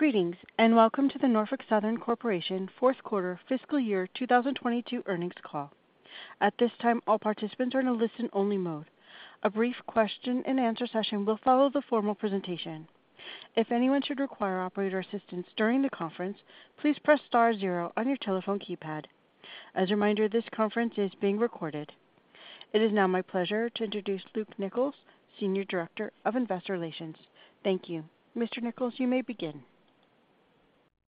Greetings, welcome to the Norfolk Southern Corporation fourth quarter fiscal year 2022 earnings call. At this time, all participants are in a listen-only mode. A brief Q&A session will follow the formal presentation. If anyone should require operator assistance during the conference, please press star zero on your telephone keypad. As a reminder, this conference is being recorded. It is now my pleasure to introduce Luke Nichols, Senior Director of Investor Relations. Thank you. Mr. Nichols, you may begin.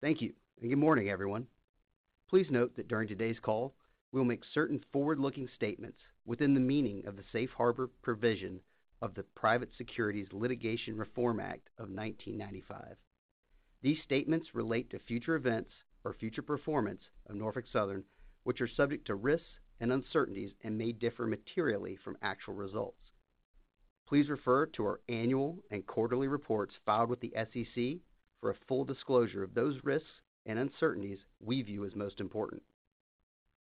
Thank you, and good morning, everyone. Please note that during today's call, we'll make certain forward-looking statements within the meaning of the Safe Harbor provision of the Private Securities Litigation Reform Act of 1995. These statements relate to future events or future performance of Norfolk Southern, which are subject to risks and uncertainties and may differ materially from actual results. Please refer to our annual and quarterly reports filed with the SEC for a full disclosure of those risks and uncertainties we view as most important.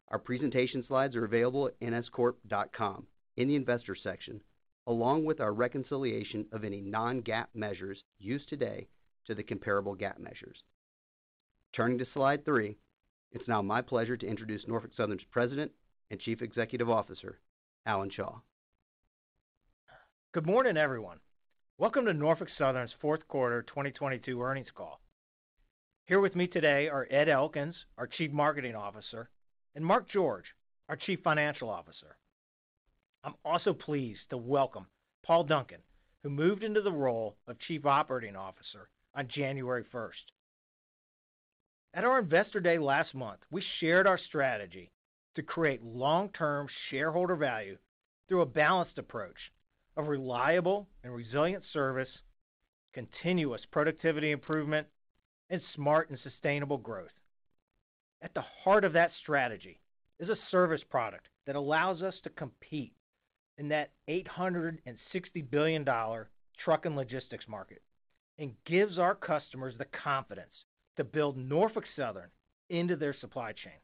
Our presentation slides are available at nscorp.com in the Investors section, along with our reconciliation of any non-GAAP measures used today to the comparable GAAP measures. Turning to slide three, it's now my pleasure to introduce Norfolk Southern's President and Chief Executive Officer, Alan Shaw. Good morning, everyone. Welcome to Norfolk Southern's fourth quarter 2022 earnings call. Here with me today are Ed Elkins, our Chief Marketing Officer, and Mark George, our Chief Financial Officer. I'm also pleased to welcome Paul Duncan, who moved into the role of Chief Operating Officer on January first. At our Investor Day last month, we shared our strategy to create long-term shareholder value through a balanced approach of reliable and resilient service, continuous productivity improvement, and smart and sustainable growth. At the heart of that strategy is a service product that allows us to compete in that $860 billion truck and logistics market and gives our customers the confidence to build Norfolk Southern into their supply chain.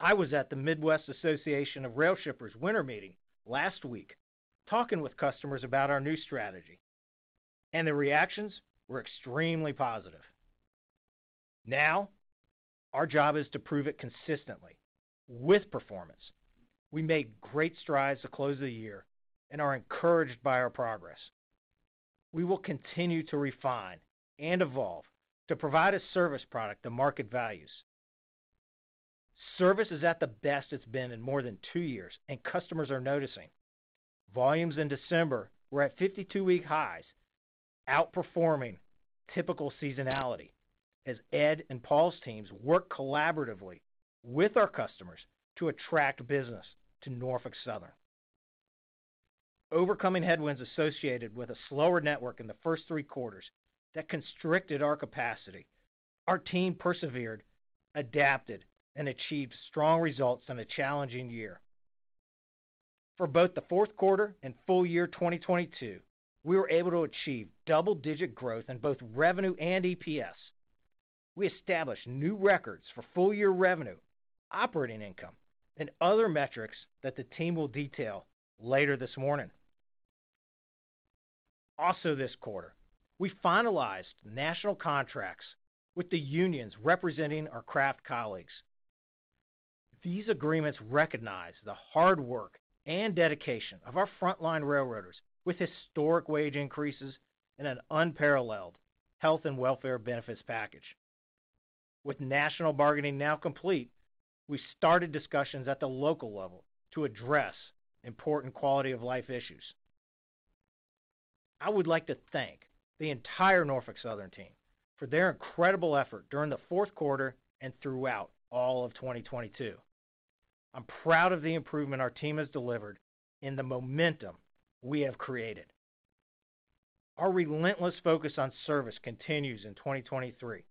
I was at the Midwest Association of Rail Shippers winter meeting last week, talking with customers about our new strategy, the reactions were extremely positive. Our job is to prove it consistently with performance. We made great strides to close the year and are encouraged by our progress. We will continue to refine and evolve to provide a service product the market values. Service is at the best it's been in more than two years, and customers are noticing. Volumes in December were at 52-week highs, outperforming typical seasonality as Ed and Paul's teams work collaboratively with our customers to attract business to Norfolk Southern. Overcoming headwinds associated with a slower network in the first three quarters that constricted our capacity, our team persevered, adapted, and achieved strong results in a challenging year. For both the fourth quarter and full year 2022, we were able to achieve double-digit growth in both revenue and EPS. We established new records for full-year revenue, operating income, and other metrics that the team will detail later this morning. This quarter, we finalized national contracts with the unions representing our craft colleagues. These agreements recognize the hard work and dedication of our frontline railroaders with historic wage increases and an unparalleled health and welfare benefits package. With national bargaining now complete, we started discussions at the local level to address important quality of life issues. I would like to thank the entire Norfolk Southern team for their incredible effort during the fourth quarter and throughout all of 2022. I'm proud of the improvement our team has delivered and the momentum we have created. Our relentless focus on service continues in 2023.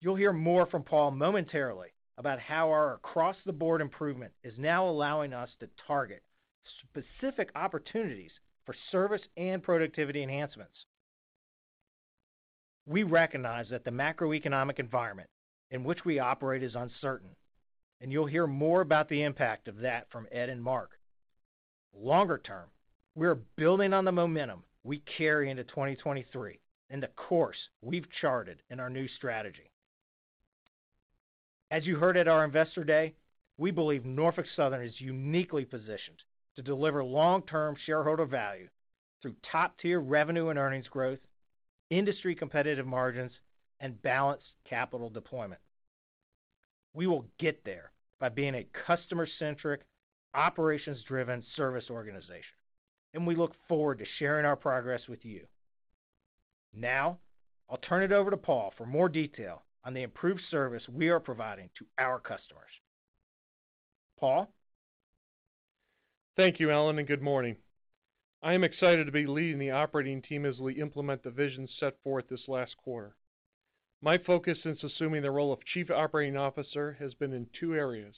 You'll hear more from Paul momentarily about how our across-the-board improvement is now allowing us to target specific opportunities for service and productivity enhancements. We recognize that the macroeconomic environment in which we operate is uncertain, and you'll hear more about the impact of that from Ed and Mark. Longer term, we are building on the momentum we carry into 2023 and the course we've charted in our new strategy. As you heard at our Investor Day, we believe Norfolk Southern is uniquely positioned to deliver long-term shareholder value through top-tier revenue and earnings growth, industry-competitive margins, and balanced capital deployment. We will get there by being a customer-centric, operations-driven service organization, and we look forward to sharing our progress with you. Now, I'll turn it over to Paul for more detail on the improved service we are providing to our customers. Paul? Thank you, Alan. Good morning. I am excited to be leading the operating team as we implement the vision set forth this last quarter. My focus since assuming the role of Chief Operating Officer has been in two areas: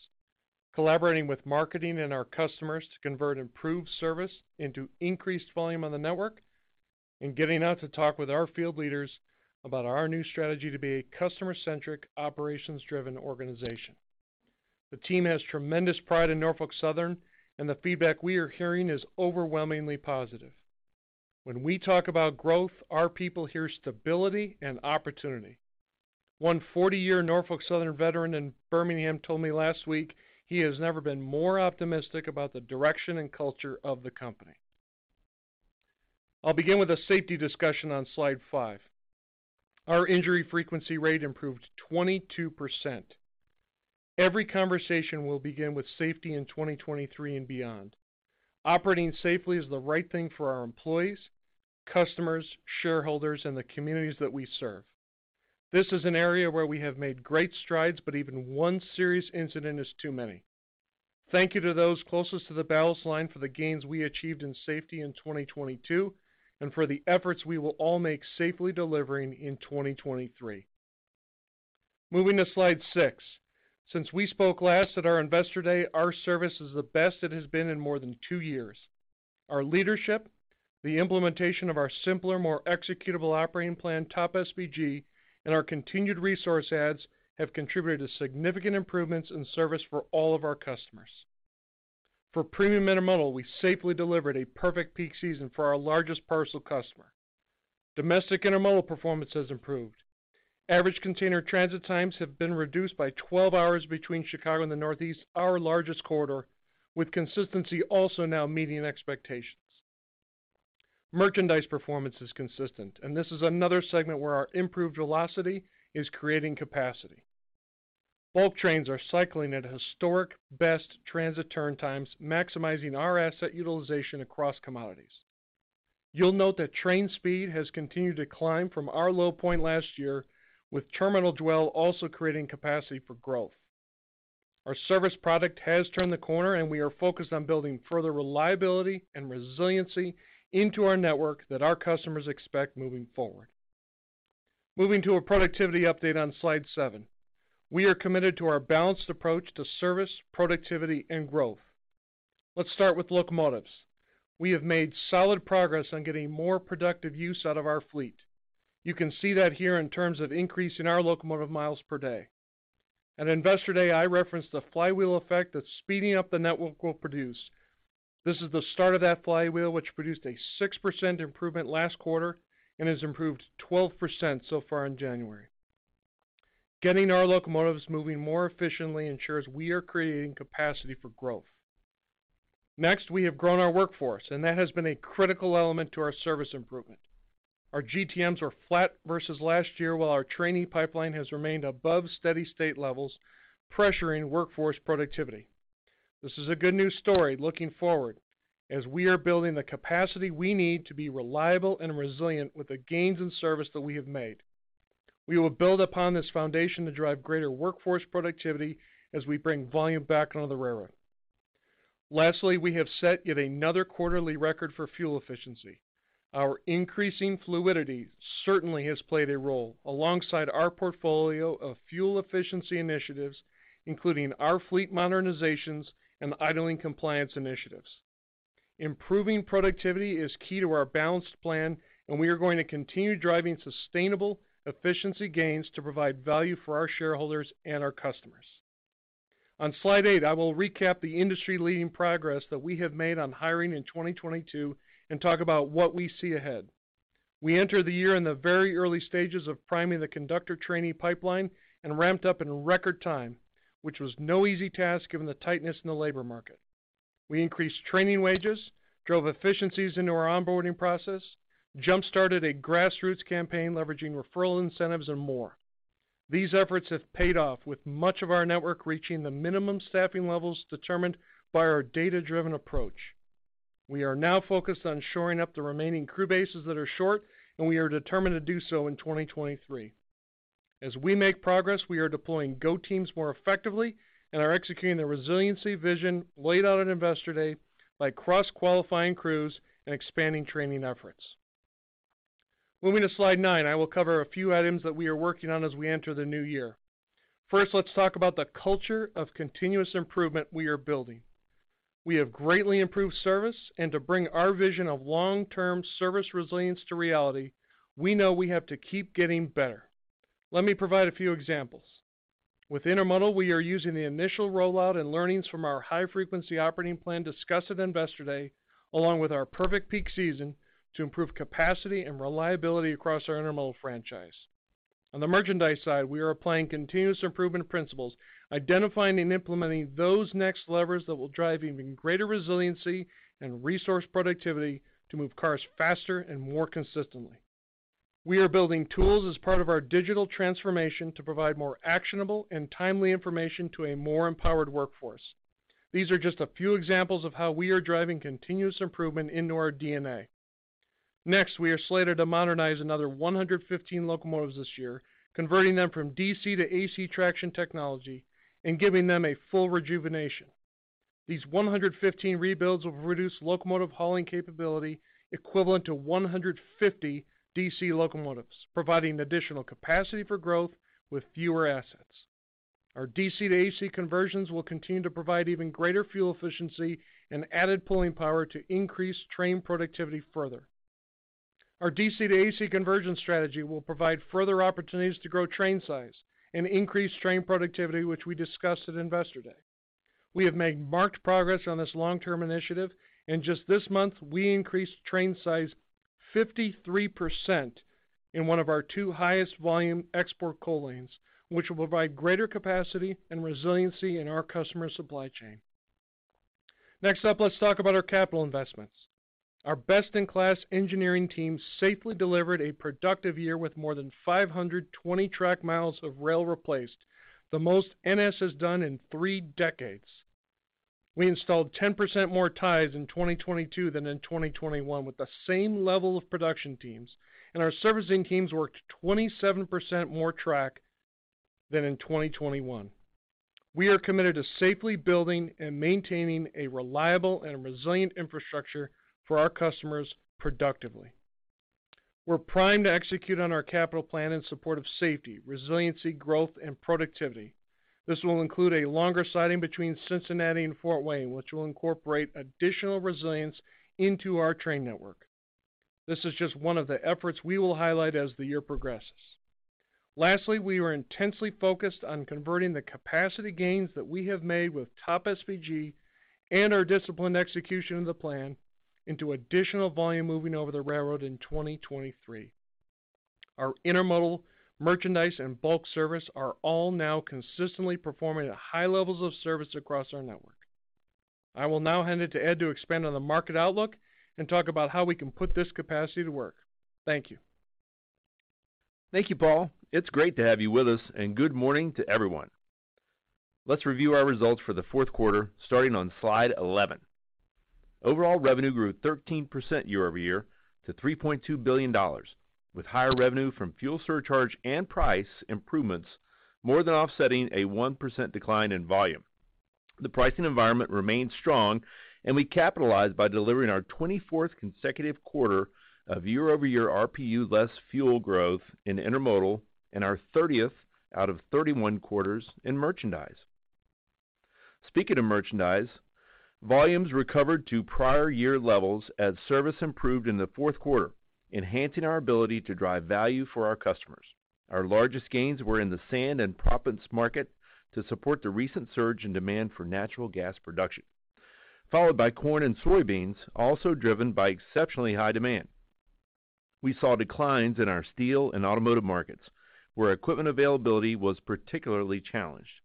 collaborating with marketing and our customers to convert improved service into increased volume on the network, and getting out to talk with our field leaders about our new strategy to be a customer-centric, operations-driven organization. The team has tremendous pride in Norfolk Southern. The feedback we are hearing is overwhelmingly positive. When we talk about growth, our people hear stability and opportunity. One 40-year Norfolk Southern veteran in Birmingham told me last week he has never been more optimistic about the direction and culture of the company. I'll begin with a safety discussion on slide five. Our injury frequency rate improved 22%. Every conversation will begin with safety in 2023 and beyond. Operating safely is the right thing for our employees, customers, shareholders, and the communities that we serve. This is an area where we have made great strides, but even one serious incident is too many. Thank you to those closest to the ballast line for the gains we achieved in safety in 2022, and for the efforts we will all make safely delivering in 2023. Moving to slide six. Since we spoke last at our Investor Day, our service is the best it has been in more than two years. Our leadership, the implementation of our simpler, more executable operating plan, TOP|SPG, and our continued resource adds have contributed to significant improvements in service for all of our customers. For premium intermodal, we safely delivered a perfect peak season for our largest parcel customer. Domestic intermodal performance has improved. Average container transit times have been reduced by 12 hours between Chicago and the Northeast, our largest corridor, with consistency also now meeting expectations. Merchandise performance is consistent, and this is another segment where our improved velocity is creating capacity. Bulk trains are cycling at historic best transit turn times, maximizing our asset utilization across commodities. You'll note that train speed has continued to climb from our low point last year, with terminal dwell also creating capacity for growth. Our service product has turned the corner, and we are focused on building further reliability and resiliency into our network that our customers expect moving forward. Moving to a productivity update on Slide seven. We are committed to our balanced approach to service, productivity, and growth. Let's start with locomotives. We have made solid progress on getting more productive use out of our fleet. You can see that here in terms of increase in our locomotive miles per day. At Investor Day, I referenced the flywheel effect that speeding up the network will produce. This is the start of that flywheel, which produced a 6% improvement last quarter and has improved 12% so far in January. Getting our locomotives moving more efficiently ensures we are creating capacity for growth. We have grown our workforce, and that has been a critical element to our service improvement. Our GTMs were flat versus last year, while our training pipeline has remained above steady state levels, pressuring workforce productivity. This is a good news story looking forward, as we are building the capacity we need to be reliable and resilient with the gains in service that we have made. We will build upon this foundation to drive greater workforce productivity as we bring volume back onto the railroad. Lastly, we have set yet another quarterly record for fuel efficiency. Our increasing fluidity certainly has played a role alongside our portfolio of fuel efficiency initiatives, including our fleet modernizations and idling compliance initiatives. Improving productivity is key to our balanced plan. We are going to continue driving sustainable efficiency gains to provide value for our shareholders and our customers. On Slide eight, I will recap the industry-leading progress that we have made on hiring in 2022 and talk about what we see ahead. We enter the year in the very early stages of priming the conductor training pipeline and ramped up in record time, which was no easy task given the tightness in the labor market. We increased training wages, drove efficiencies into our onboarding process, jumpstarted a grassroots campaign leveraging referral incentives and more. These efforts have paid off with much of our network reaching the minimum staffing levels determined by our data-driven approach. We are now focused on shoring up the remaining crew bases that are short, and we are determined to do so in 2023. As we make progress, we are deploying go teams more effectively and are executing the resiliency vision laid out at Investor Day by cross-qualifying crews and expanding training efforts. Moving to slide nine, I will cover a few items that we are working on as we enter the new year. First, let's talk about the culture of continuous improvement we are building. We have greatly improved service and to bring our vision of long-term service resilience to reality, we know we have to keep getting better. Let me provide a few examples. With intermodal, we are using the initial rollout and learnings from our high frequency operating plan discussed at Investor Day, along with our perfect peak season to improve capacity and reliability across our intermodal franchise. On the merchandise side, we are applying continuous improvement principles, identifying and implementing those next levers that will drive even greater resiliency and resource productivity to move cars faster and more consistently. We are building tools as part of our digital transformation to provide more actionable and timely information to a more empowered workforce. These are just a few examples of how we are driving continuous improvement into our DNA. Next, we are slated to modernize another 115 locomotives this year, converting them from DC to AC traction technology and giving them a full rejuvenation. These 115 rebuilds will produce locomotive hauling capability equivalent to 150 DC locomotives, providing additional capacity for growth with fewer assets. Our DC to AC conversions will continue to provide even greater fuel efficiency and added pulling power to increase train productivity further. Our DC to AC conversion strategy will provide further opportunities to grow train size and increase train productivity, which we discussed at Investor Day. We have made marked progress on this long-term initiative. In just this month, we increased train size 53% in one of our two highest volume export coal lanes, which will provide greater capacity and resiliency in our customer supply chain. Next up, let's talk about our capital investments. Our best-in-class engineering team safely delivered a productive year with more than 520 track miles of rail replaced, the most NS has done in three decades. We installed 10% more ties in 2022 than in 2021 with the same level of production teams, and our servicing teams worked 27% more track than in 2021. We are committed to safely building and maintaining a reliable and resilient infrastructure for our customers productively. We're primed to execute on our capital plan in support of safety, resiliency, growth and productivity. This will include a longer siding between Cincinnati and Fort Wayne, which will incorporate additional resilience into our train network. This is just one of the efforts we will highlight as the year progresses. Lastly, we are intensely focused on converting the capacity gains that we have made with TOP|SPG and our disciplined execution of the plan into additional volume moving over the railroad in 2023. Our intermodal, merchandise, and bulk service are all now consistently performing at high levels of service across our network. I will now hand it to Ed to expand on the market outlook and talk about how we can put this capacity to work. Thank you. Thank you, Paul. It's great to have you with us. Good morning to everyone. Let's review our results for the fourth quarter, starting on slide 11. Overall revenue grew 13% year-over-year to $3.2 billion, with higher revenue from fuel surcharge and price improvements more than offsetting a 1% decline in volume. The pricing environment remains strong. We capitalized by delivering our 24th consecutive quarter of year-over-year RPU less fuel growth in intermodal and our 30th out of 31 quarters in merchandise. Speaking of merchandise, volumes recovered to prior year levels as service improved in the fourth quarter, enhancing our ability to drive value for our customers. Our largest gains were in the sand and proppants market to support the recent surge in demand for natural gas production, followed by corn and soybeans, also driven by exceptionally high demand. We saw declines in our steel and automotive markets, where equipment availability was particularly challenged.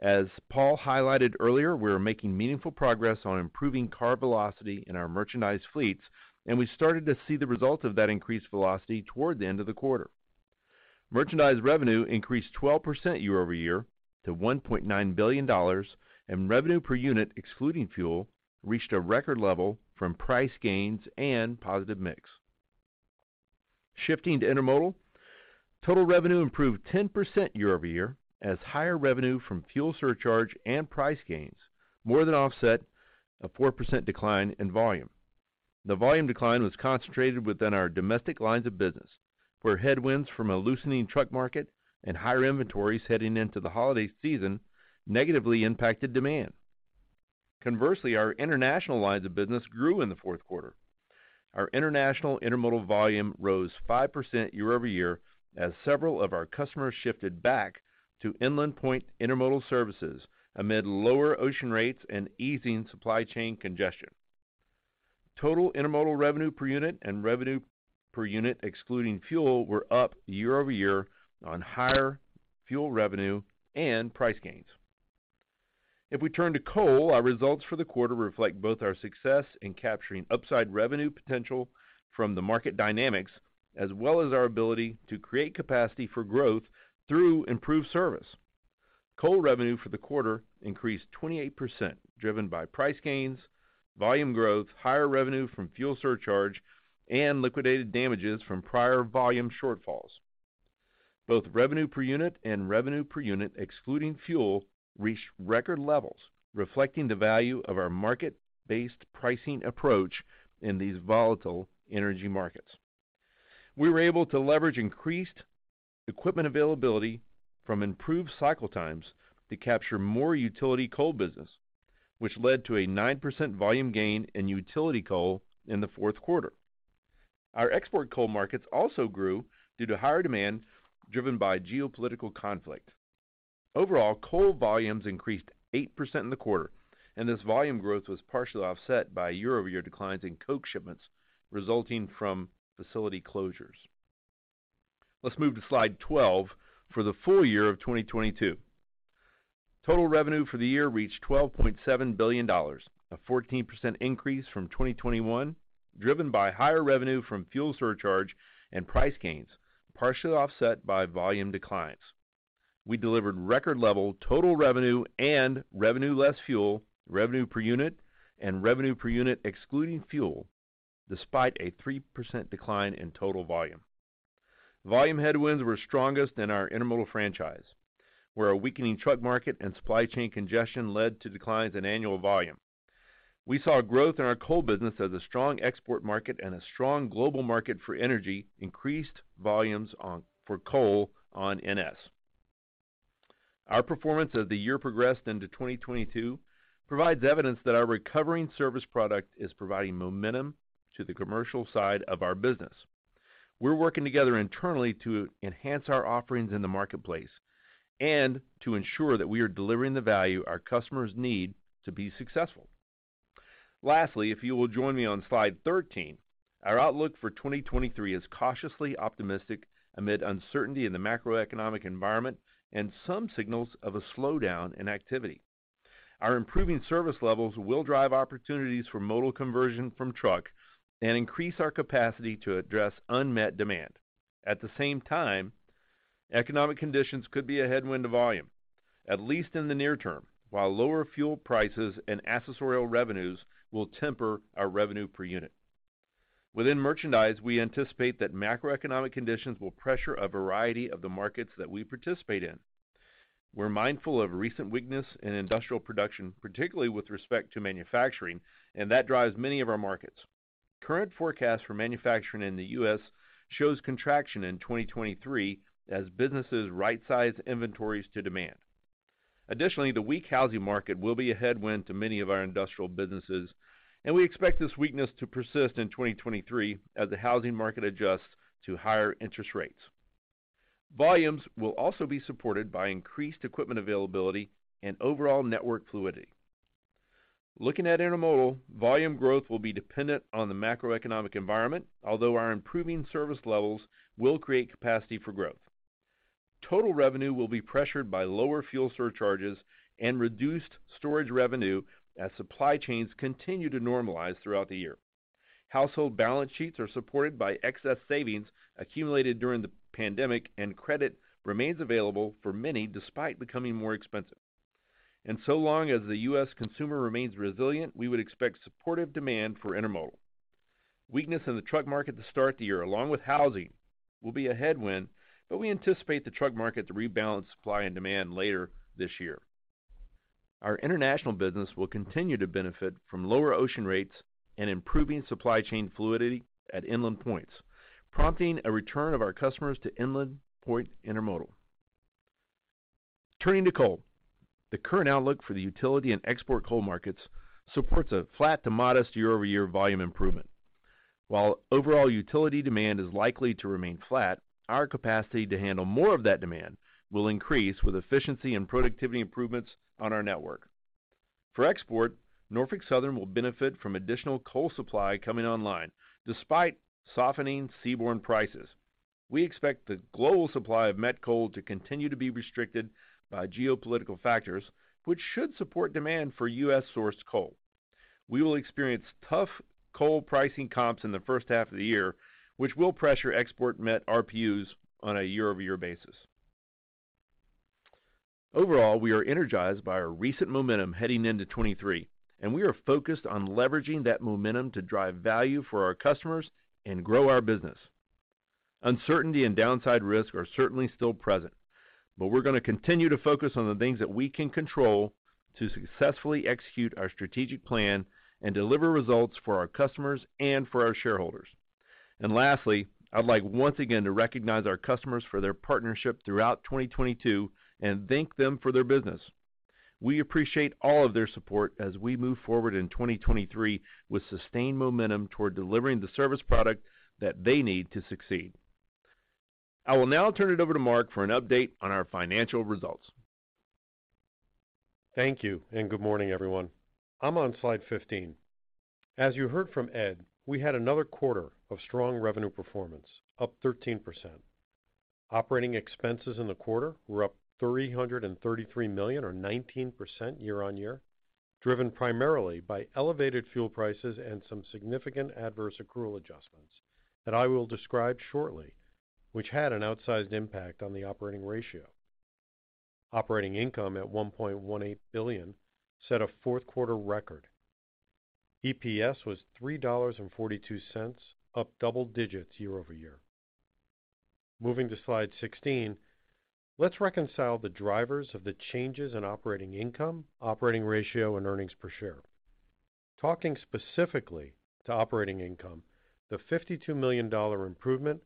As Paul highlighted earlier, we are making meaningful progress on improving car velocity in our merchandise fleets, and we started to see the results of that increased velocity toward the end of the quarter. Merchandise revenue increased 12% year-over-year to $1.9 billion, and revenue per unit, excluding fuel, reached a record level from price gains and positive mix. Shifting to intermodal, total revenue improved 10% year-over-year as higher revenue from fuel surcharge and price gains more than offset a 4% decline in volume. The volume decline was concentrated within our domestic lines of business, where headwinds from a loosening truck market and higher inventories heading into the holiday season negatively impacted demand. Conversely, our international lines of business grew in the fourth quarter. Our international intermodal volume rose 5% year-over-year as several of our customers shifted back to Inland Point Intermodal services amid lower ocean rates and easing supply chain congestion. Total intermodal revenue per unit and revenue per unit excluding fuel were up year-over-year on higher fuel revenue and price gains. We turn to coal, our results for the quarter reflect both our success in capturing upside revenue potential from the market dynamics as well as our ability to create capacity for growth through improved service. Coal revenue for the quarter increased 28%, driven by price gains, volume growth, higher revenue from fuel surcharge, and liquidated damages from prior volume shortfalls. Both revenue per unit and revenue per unit excluding fuel reached record levels, reflecting the value of our market-based pricing approach in these volatile energy markets. We were able to leverage increased equipment availability from improved cycle times to capture more utility coal business, which led to a 9% volume gain in utility coal in the fourth quarter. Our export coal markets also grew due to higher demand driven by geopolitical conflict. Overall, coal volumes increased 8% in the quarter. This volume growth was partially offset by year-over-year declines in coke shipments resulting from facility closures. Let's move to Slide 12 for the full year of 2022. Total revenue for the year reached $12.7 billion, a 14% increase from 2021, driven by higher revenue from fuel surcharge and price gains, partially offset by volume declines. We delivered record level total revenue and revenue less fuel, revenue per unit, and revenue per unit excluding fuel, despite a 3% decline in total volume. Volume headwinds were strongest in our intermodal franchise, where a weakening truck market and supply chain congestion led to declines in annual volume. We saw growth in our coal business as a strong export market and a strong global market for energy increased volumes for coal on NS. Our performance as the year progressed into 2022 provides evidence that our recovering service product is providing momentum to the commercial side of our business. We're working together internally to enhance our offerings in the marketplace and to ensure that we are delivering the value our customers need to be successful. If you will join me on slide 13, our outlook for 2023 is cautiously optimistic amid uncertainty in the macroeconomic environment and some signals of a slowdown in activity. Our improving service levels will drive opportunities for modal conversion from truck and increase our capacity to address unmet demand. At the same time, economic conditions could be a headwind to volume, at least in the near term, while lower fuel prices and accessorial revenues will temper our revenue per unit. Within merchandise, we anticipate that macroeconomic conditions will pressure a variety of the markets that we participate in. We're mindful of recent weakness in industrial production, particularly with respect to manufacturing, and that drives many of our markets. Current forecasts for manufacturing in the U.S. shows contraction in 2023 as businesses right-size inventories to demand. Additionally, the weak housing market will be a headwind to many of our industrial businesses, and we expect this weakness to persist in 2023 as the housing market adjusts to higher interest rates. Volumes will also be supported by increased equipment availability and overall network fluidity. Looking at intermodal, volume growth will be dependent on the macroeconomic environment, although our improving service levels will create capacity for growth. Total revenue will be pressured by lower fuel surcharges and reduced storage revenue as supply chains continue to normalize throughout the year. Household balance sheets are supported by excess savings accumulated during the pandemic, credit remains available for many despite becoming more expensive. So long as the U.S. consumer remains resilient, we would expect supportive demand for intermodal. Weakness in the truck market to start the year, along with housing, will be a headwind, but we anticipate the truck market to rebalance supply and demand later this year. Our international business will continue to benefit from lower ocean rates and improving supply chain fluidity at inland points, prompting a return of our customers to Inland Point Intermodal. Turning to coal, the current outlook for the utility and export coal markets supports a flat to modest year-over-year volume improvement. While overall utility demand is likely to remain flat, our capacity to handle more of that demand will increase with efficiency and productivity improvements on our network. For export, Norfolk Southern will benefit from additional coal supply coming online despite softening seaborne prices. We expect the global supply of met coal to continue to be restricted by geopolitical factors, which should support demand for U.S.-sourced coal. We will experience tough coal pricing comps in the first half of the year, which will pressure export met RPUs on a year-over-year basis. Overall, we are energized by our recent momentum heading into 2023. We are focused on leveraging that momentum to drive value for our customers and grow our business. Uncertainty and downside risk are certainly still present. We're gonna continue to focus on the things that we can control to successfully execute our strategic plan and deliver results for our customers and for our shareholders. Lastly, I'd like once again to recognize our customers for their partnership throughout 2022 and thank them for their business. We appreciate all of their support as we move forward in 2023 with sustained momentum toward delivering the service product that they need to succeed. I will now turn it over to Mark for an update on our financial results. Thank you. Good morning, everyone. I'm on slide 15. As you heard from Ed, we had another quarter of strong revenue performance, up 13%. Operating expenses in the quarter were up $333 million or 19% year-on-year, driven primarily by elevated fuel prices and some significant adverse accrual adjustments that I will describe shortly, which had an outsized impact on the operating ratio. Operating income at $1.18 billion set a fourth-quarter record. EPS was $3.42, up double digits year-over-year. Moving to slide 16, let's reconcile the drivers of the changes in operating income, operating ratio, and earnings per share. Talking specifically to operating income, the $52 million improvement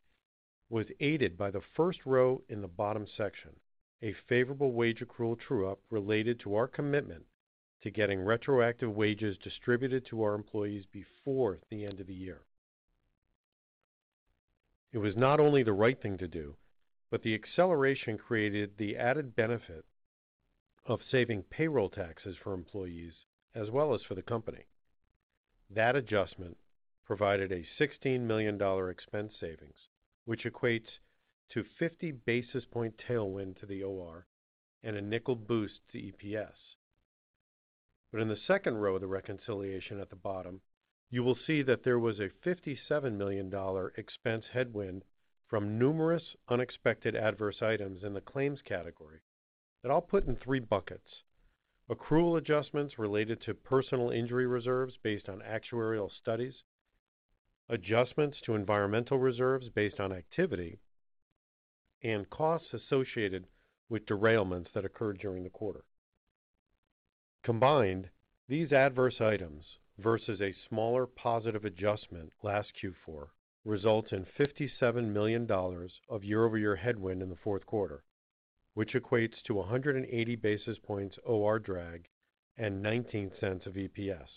was aided by the first row in the bottom section, a favorable wage accrual true-up related to our commitment to getting retroactive wages distributed to our employees before the end of the year. It was not only the right thing to do, but the acceleration created the added benefit of saving payroll taxes for employees as well as for the company. That adjustment provided a $16 million expense savings, which equates to 50 basis point tailwind to the OR and a nickel boost to EPS. In the second row of the reconciliation at the bottom, you will see that there was a $57 million expense headwind from numerous unexpected adverse items in the claims category that I'll put in three buckets: accrual adjustments related to personal injury reserves based on actuarial studies, adjustments to environmental reserves based on activity, and costs associated with derailments that occurred during the quarter. Combined, these adverse items versus a smaller positive adjustment last Q4 result in $57 million of year-over-year headwind in the fourth quarter, which equates to 180 basis points OR drag and $0.19 of EPS.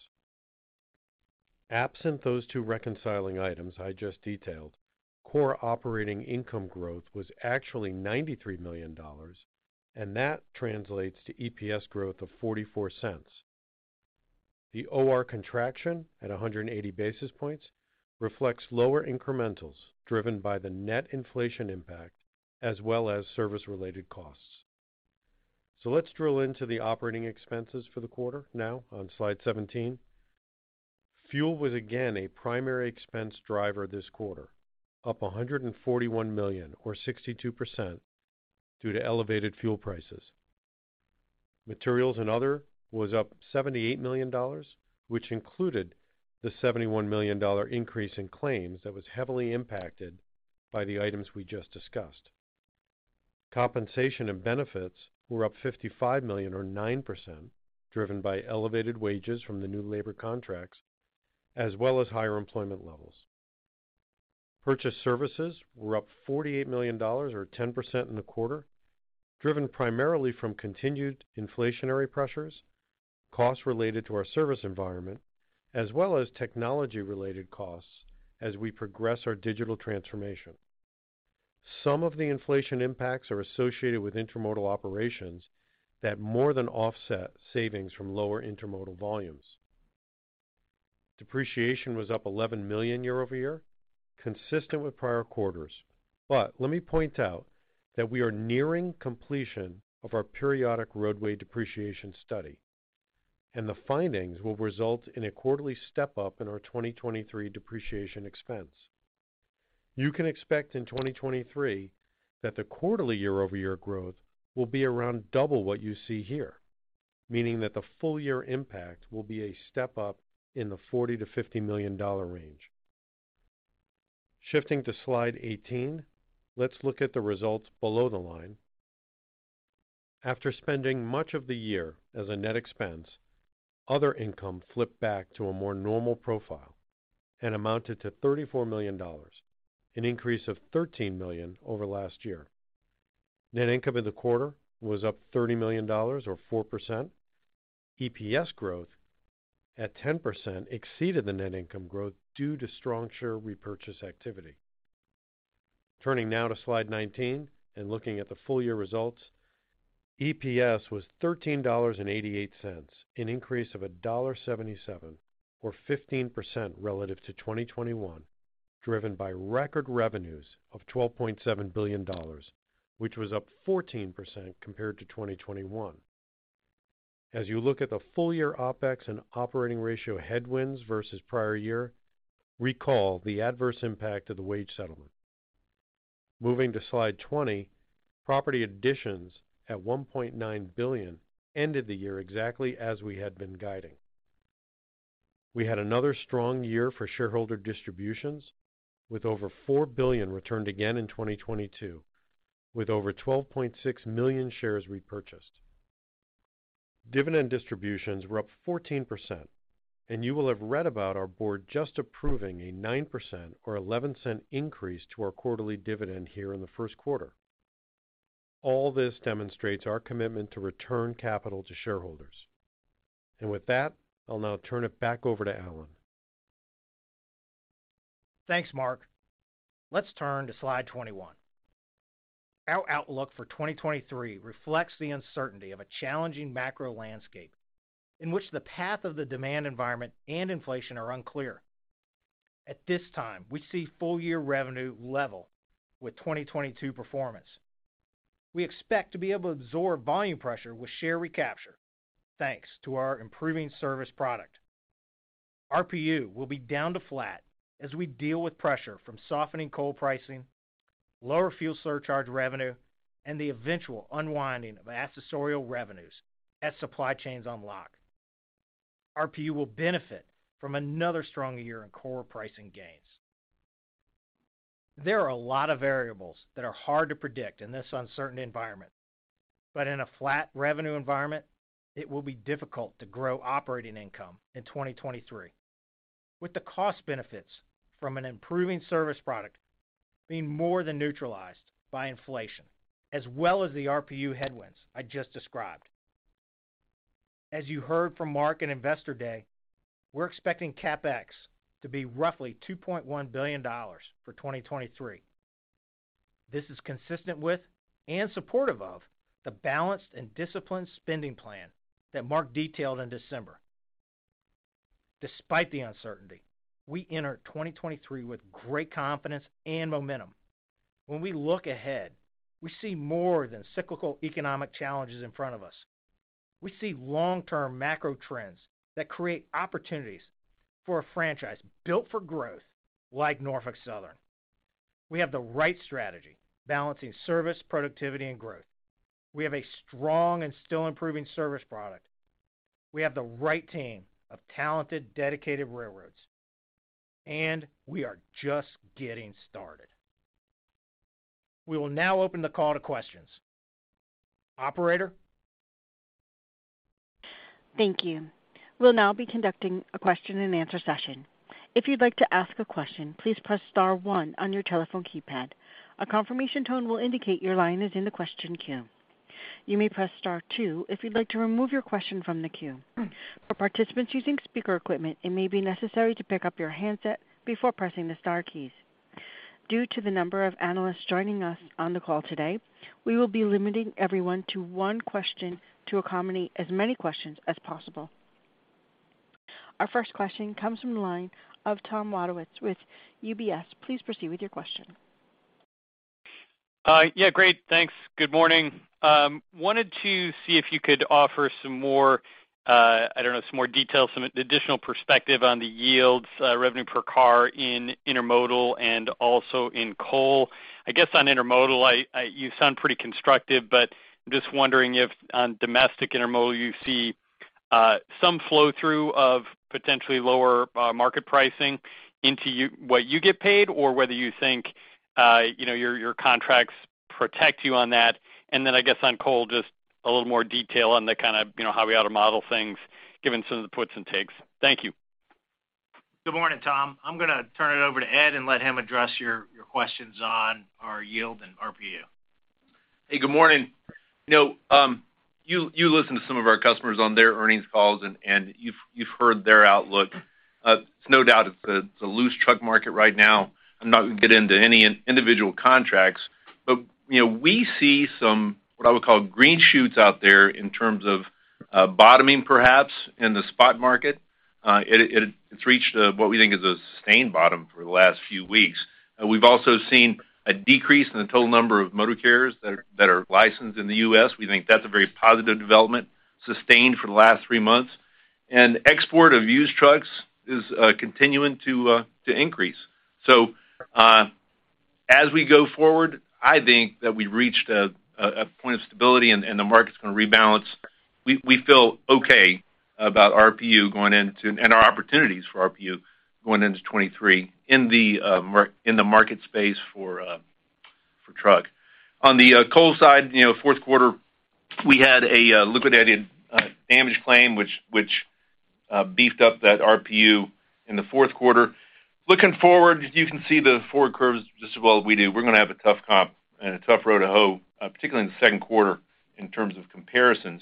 Absent those two reconciling items I just detailed, core operating income growth was actually $93 million, and that translates to EPS growth of $0.44. The OR contraction at 180 basis points reflects lower incrementals driven by the net inflation impact as well as service-related costs. Let's drill into the operating expenses for the quarter now on slide 17. Fuel was again a primary expense driver this quarter, up $141 million or 62% due to elevated fuel prices. Materials and other was up $78 million, which included the $71 million increase in claims that was heavily impacted by the items we just discussed. Compensation and benefits were up $55 million or 9%, driven by elevated wages from the new labor contracts as well as higher employment levels. Purchase services were up $48 million or 10% in the quarter, driven primarily from continued inflationary pressures, costs related to our service environment, as well as technology-related costs as we progress our digital transformation. Some of the inflation impacts are associated with intermodal operations that more than offset savings from lower intermodal volumes. Depreciation was up $11 million year-over-year, consistent with prior quarters. Let me point out that we are nearing completion of our periodic roadway depreciation study, and the findings will result in a quarterly step-up in our 2023 depreciation expense. You can expect in 2023 that the quarterly year-over-year growth will be around double what you see here, meaning that the full year impact will be a step up in the $40 million-$50 million range. Shifting to slide 18, let's look at the results below the line. After spending much of the year as a net expense, other income flipped back to a more normal profile and amounted to $34 million, an increase of $13 million over last year. Net income in the quarter was up $30 million or 4%. EPS growth at 10% exceeded the net income growth due to strong share repurchase activity. Turning now to Slide 19 and looking at the full year results, EPS was $13.88, an increase of $1.77 or 15% relative to 2021, driven by record revenues of $12.7 billion, which was up 14% compared to 2021. As you look at the full year OpEx and operating ratio headwinds versus prior year, recall the adverse impact of the wage settlement. Moving to Slide 20, property additions at $1.9 billion ended the year exactly as we had been guiding. We had another strong year for shareholder distributions with over $4 billion returned again in 2022, with over 12.6 million shares repurchased. Dividend distributions were up 14%, you will have read about our board just approving a 9% or $0.11 increase to our quarterly dividend here in the first quarter. All this demonstrates our commitment to return capital to shareholders. With that, I'll now turn it back over to Alan. Thanks, Mark. Let's turn to slide 21. Our outlook for 2023 reflects the uncertainty of a challenging macro landscape in which the path of the demand environment and inflation are unclear. At this time, we see full year revenue level with 2022 performance. We expect to be able to absorb volume pressure with share recapture, thanks to our improving service product. RPU will be down to flat as we deal with pressure from softening coal pricing, lower fuel surcharge revenue, and the eventual unwinding of accessorial revenues as supply chains unlock. RPU will benefit from another strong year in core pricing gains. There are a lot of variables that are hard to predict in this uncertain environment, but in a flat revenue environment, it will be difficult to grow operating income in 2023, with the cost benefits from an improving service product being more than neutralized by inflation, as well as the RPU headwinds I just described. As you heard from Mark in Investor Day, we're expecting CapEx to be roughly $2.1 billion for 2023. This is consistent with and supportive of the balanced and disciplined spending plan that Mark detailed in December. Despite the uncertainty, we enter 2023 with great confidence and momentum. When we look ahead, we see more than cyclical economic challenges in front of us. We see long-term macro trends that create opportunities for a franchise built for growth like Norfolk Southern. We have the right strategy, balancing service, productivity, and growth. We have a strong and still improving service product. We have the right team of talented, dedicated railroads. We are just getting started. We will now open the call to questions. Operator? Thank you. We'll now be conducting a Q&A session. If you'd like to ask a question, please press star one on your telephone keypad. A confirmation tone will indicate your line is in the question queue. You may press Star two if you'd like to remove your question from the queue. For participants using speaker equipment, it may be necessary to pick up your handset before pressing the star keys. Due to the number of analysts joining us on the call today, we will be limiting everyone to one question to accommodate as many questions as possible. Our first question comes from the line of Tom Wadewitz with UBS. Please proceed with your question. Yeah, great, thanks. Good morning. Wanted to see if you could offer some more, I don't know, some more details, some additional perspective on the yields, revenue per car in intermodal and also in coal. I guess on intermodal, you sound pretty constructive, but just wondering if on domestic intermodal, you see some flow-through of potentially lower market pricing into what you get paid or whether you think, you know, your contracts protect you on that. Then I guess on coal, just a little more detail on the kind of, you know, how we ought to model things given some of the puts and takes. Thank you. Good morning, Tom. I'm gonna turn it over to Ed and let him address your questions on our yield and RPU. Hey, good morning. You know, you listen to some of our customers on their earnings calls, and you've heard their outlook. It's no doubt it's a loose truck market right now. I'm not gonna get into any individual contracts. You know, we see some, what I would call green shoots out there in terms of bottoming, perhaps, in the spot market. It's reached what we think is a sustained bottom for the last few weeks. We've also seen a decrease in the total number of motor carriers that are licensed in the U.S. We think that's a very positive development, sustained for the last three months. Export of used trucks is continuing to increase. As we go forward, I think that we reached a point of stability and the market's gonna rebalance. We feel okay about RPU and our opportunities for RPU going into 23 in the market space for truck. On the coal side, you know, fourth quarter, we had a liquidated damage claim, which beefed up that RPU in the fourth quarter. Looking forward, you can see the forward curves just as well as we do. We're gonna have a tough comp and a tough row to hoe, particularly in the second quarter in terms of comparisons.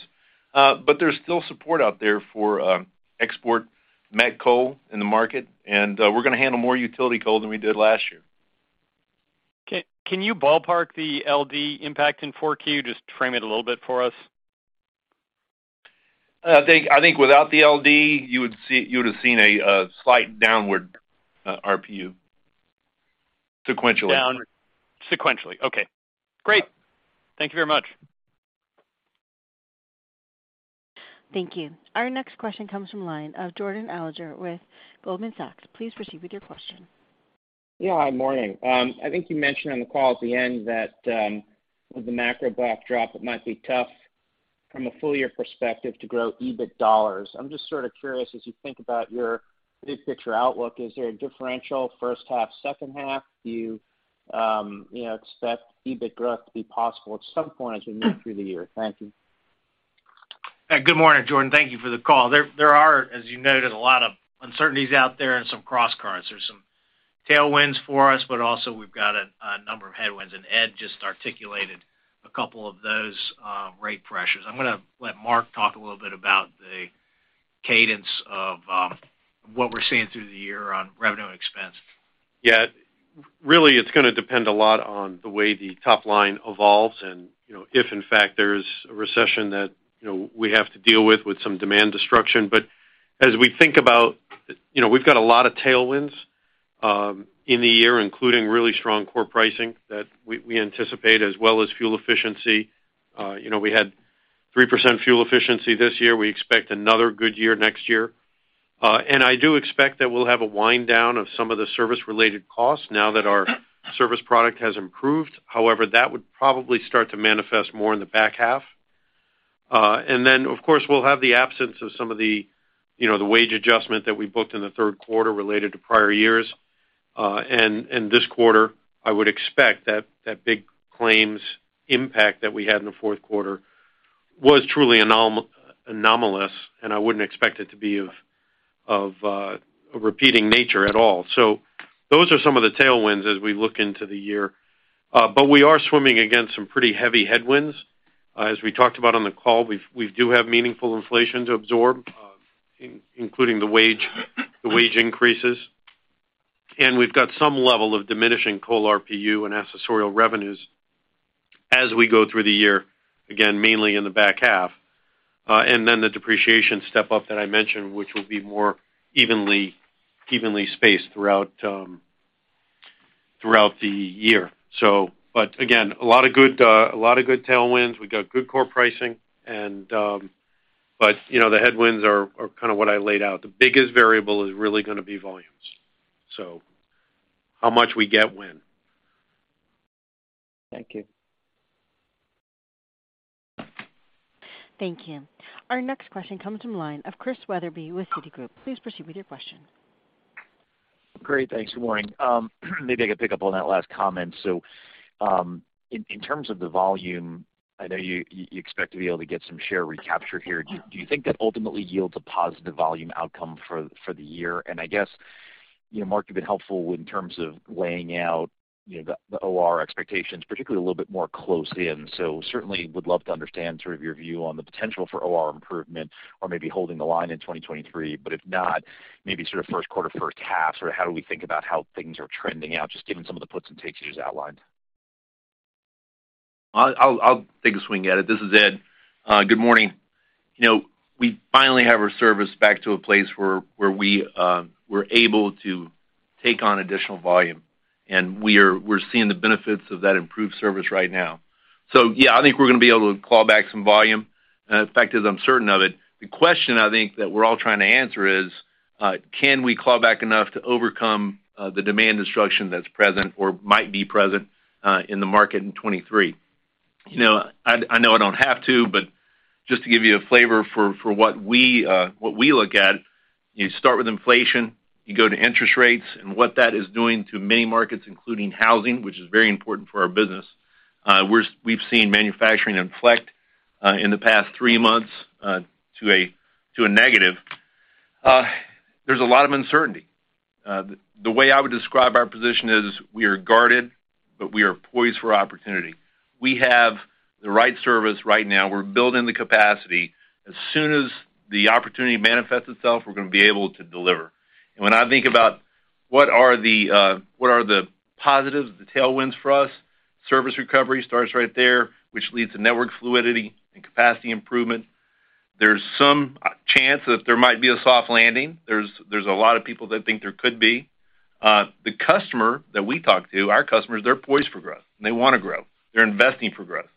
There's still support out there for export met coal in the market, we're gonna handle more utility coal than we did last year. Can you ballpark the LD impact in Q4? Just frame it a little bit for us. I think without the LD, you would've seen a slight downward RPU sequentially. Down sequentially. Okay, great. Thank you very much. Thank you. Our next question comes from line of Jordan Alliger with Goldman Sachs. Please proceed with your question. Yeah, good morning. I think you mentioned on the call at the end that, with the macro backdrop, it might be tough from a full year perspective to grow EBIT dollars. I'm just sort of curious, as you think about your big picture outlook, is there a differential first half, second half? Do you know, expect EBIT growth to be possible at some point as we move through the year? Thank you. Good morning, Jordan. Thank you for the call. There are, as you noted, a lot of uncertainties out there and some crosscurrents. There's some tailwinds for us. Also we've got a number of headwinds, and Ed just articulated a couple of those, rate pressures. I'm gonna let Mark talk a little bit about the cadence of what we're seeing through the year on revenue expense. Really, it's gonna depend a lot on the way the top line evolves and, you know, if in fact there is a recession that, you know, we have to deal with some demand destruction. As we think about, you know, we've got a lot of tailwinds in the year, including really strong core pricing that we anticipate as well as fuel efficiency. You know, we had 3% fuel efficiency this year. We expect another good year next year. I do expect that we'll have a wind down of some of the service related costs now that our service product has improved. However, that would probably start to manifest more in the back half. Then, of course, we'll have the absence of some of the, you know, the wage adjustment that we booked in the third quarter related to prior years. This quarter, I would expect that that big claims impact that we had in the fourth quarter was truly anomalous, and I wouldn't expect it to be of a repeating nature at all. Those are some of the tailwinds as we look into the year. We are swimming against some pretty heavy headwinds. As we talked about on the call, we do have meaningful inflation to absorb, including the wage increases. We've got some level of diminishing coal RPU and accessorial revenues as we go through the year, again, mainly in the back half. The depreciation step up that I mentioned, which will be more evenly spaced throughout the year. Again, a lot of good, a lot of good tailwinds. We've got good core pricing and, you know, the headwinds are kinda what I laid out. The biggest variable is really gonna be volumes. How much we get when. Thank you. Thank you. Our next question comes from line of Chris Wetherbee with Citigroup. Please proceed with your question. Great. Thanks. Good morning. Maybe I could pick up on that last comment. In terms of the volume, I know you expect to be able to get some share recapture here. Do you think that ultimately yields a positive volume outcome for the year? And I guess, you know, Mark, you've been helpful in terms of laying out, you know, the OR expectations, particularly a little bit more close in. Certainly would love to understand sort of your view on the potential for OR improvement or maybe holding the line in 2023. But if not, maybe sort of Q1, first half, sort of how do we think about how things are trending out, just given some of the puts and takes you just outlined. I'll take a swing at it. This is Ed. Good morning. You know, we finally have our service back to a place where we're able to take on additional volume, and we're seeing the benefits of that improved service right now. Yeah, I think we're gonna be able to claw back some volume. In fact, as I'm certain of it, the question I think that we're all trying to answer is, can we claw back enough to overcome the demand destruction that's present or might be present in the market in 2023? You know, I know I don't have to, but just to give you a flavor for what we look at, you start with inflation, you go to interest rates and what that is doing to many markets, including housing, which is very important for our business. We've seen manufacturing inflect in the past three months to a, to a negative. There's a lot of uncertainty. The way I would describe our position is we are guarded, but we are poised for opportunity. We have the right service right now. We're building the capacity. As soon as the opportunity manifests itself, we're gonna be able to deliver. When I think about what are the, what are the positives, the tailwinds for us, service recovery starts right there, which leads to network fluidity and capacity improvement. There's some chance that there might be a soft landing. There's a lot of people that think there could be. The customer that we talk to, our customers, they're poised for growth, and they wanna grow. They're investing for growth.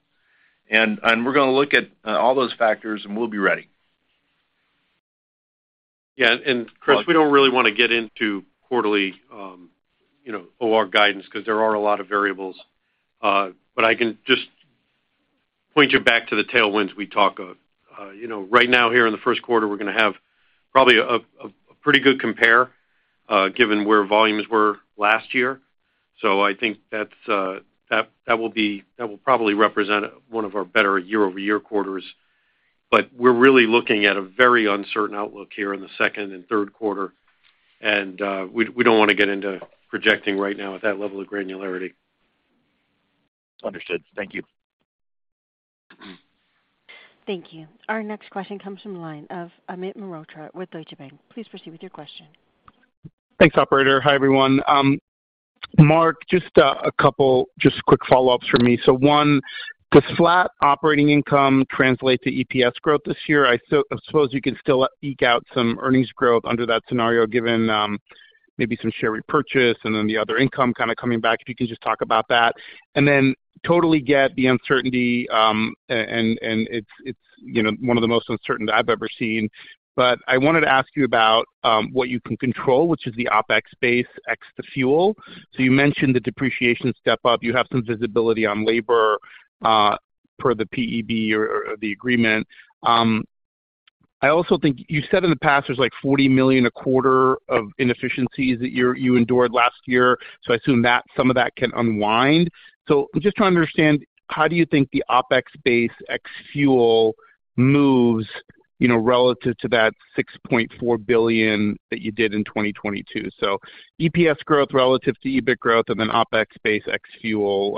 We're gonna look at all those factors, and we'll be ready. Yeah, Chris, we don't really wanna get into quarterly, you know, OR guidance because there are a lot of variables. I can just point you back to the tailwinds we talk of. You know, right now here in the first quarter, we're gonna have probably a pretty good compare, given where volumes were last year. I think that's that will probably represent one of our better year-over-year quarters. We're really looking at a very uncertain outlook here in the second and third quarter. We don't wanna get into projecting right now at that level of granularity. Understood. Thank you. Thank you. Our next question comes from the line of Amit Mehrotra with Deutsche Bank. Please proceed with your question. Thanks, operator. Hi, everyone. Mark, just a couple, just quick follow-ups from me. One, does flat operating income translate to EPS growth this year? I suppose you can still eke out some earnings growth under that scenario, given maybe some share repurchase and then the other income kind of coming back, if you can just talk about that. Totally get the uncertainty, and it's, you know, one of the most uncertain I've ever seen. I wanted to ask you about what you can control, which is the OpEx base ex the fuel. You mentioned the depreciation step up. You have some visibility on labor per the PEB or the agreement. I also think you said in the past there's, like, $40 million a quarter of inefficiencies that you endured last year. I assume that some of that can unwind. I'm just trying to understand how do you think the OpEx base ex fuel moves relative to that $6.4 billion that you did in 2022. EPS growth relative to EBIT growth and then OpEx base ex-fuel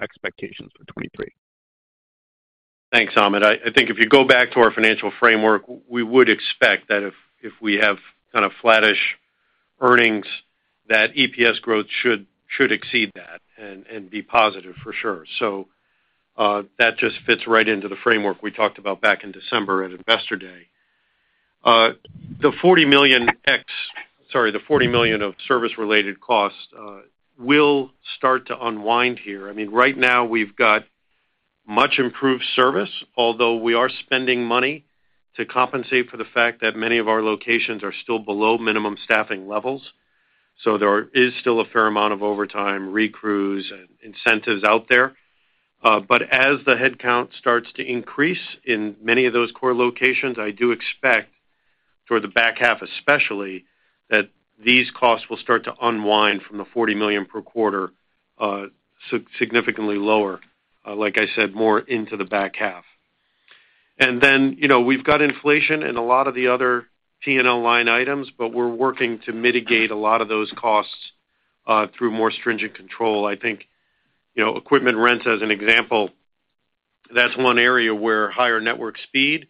expectations for 2023. Thanks, Amit. I think if you go back to our financial framework, we would expect that if we have kind of flattish earnings, that EPS growth should exceed that and be positive for sure. That just fits right into the framework we talked about back in December at Investor Day. The $40 million of service related costs will start to unwind here. I mean, right now we've got much improved service, although we are spending money to compensate for the fact that many of our locations are still below minimum staffing levels. There is still a fair amount of overtime, recrews, and incentives out there. As the headcount starts to increase in many of those core locations, I do expect for the back half especially, that these costs will start to unwind from the $40 million per quarter, significantly lower, like I said, more into the back half. Then, you know, we've got inflation in a lot of the other P&L line items, but we're working to mitigate a lot of those costs through more stringent control. I think, you know, equipment rents as an example, that's one area where higher network speed,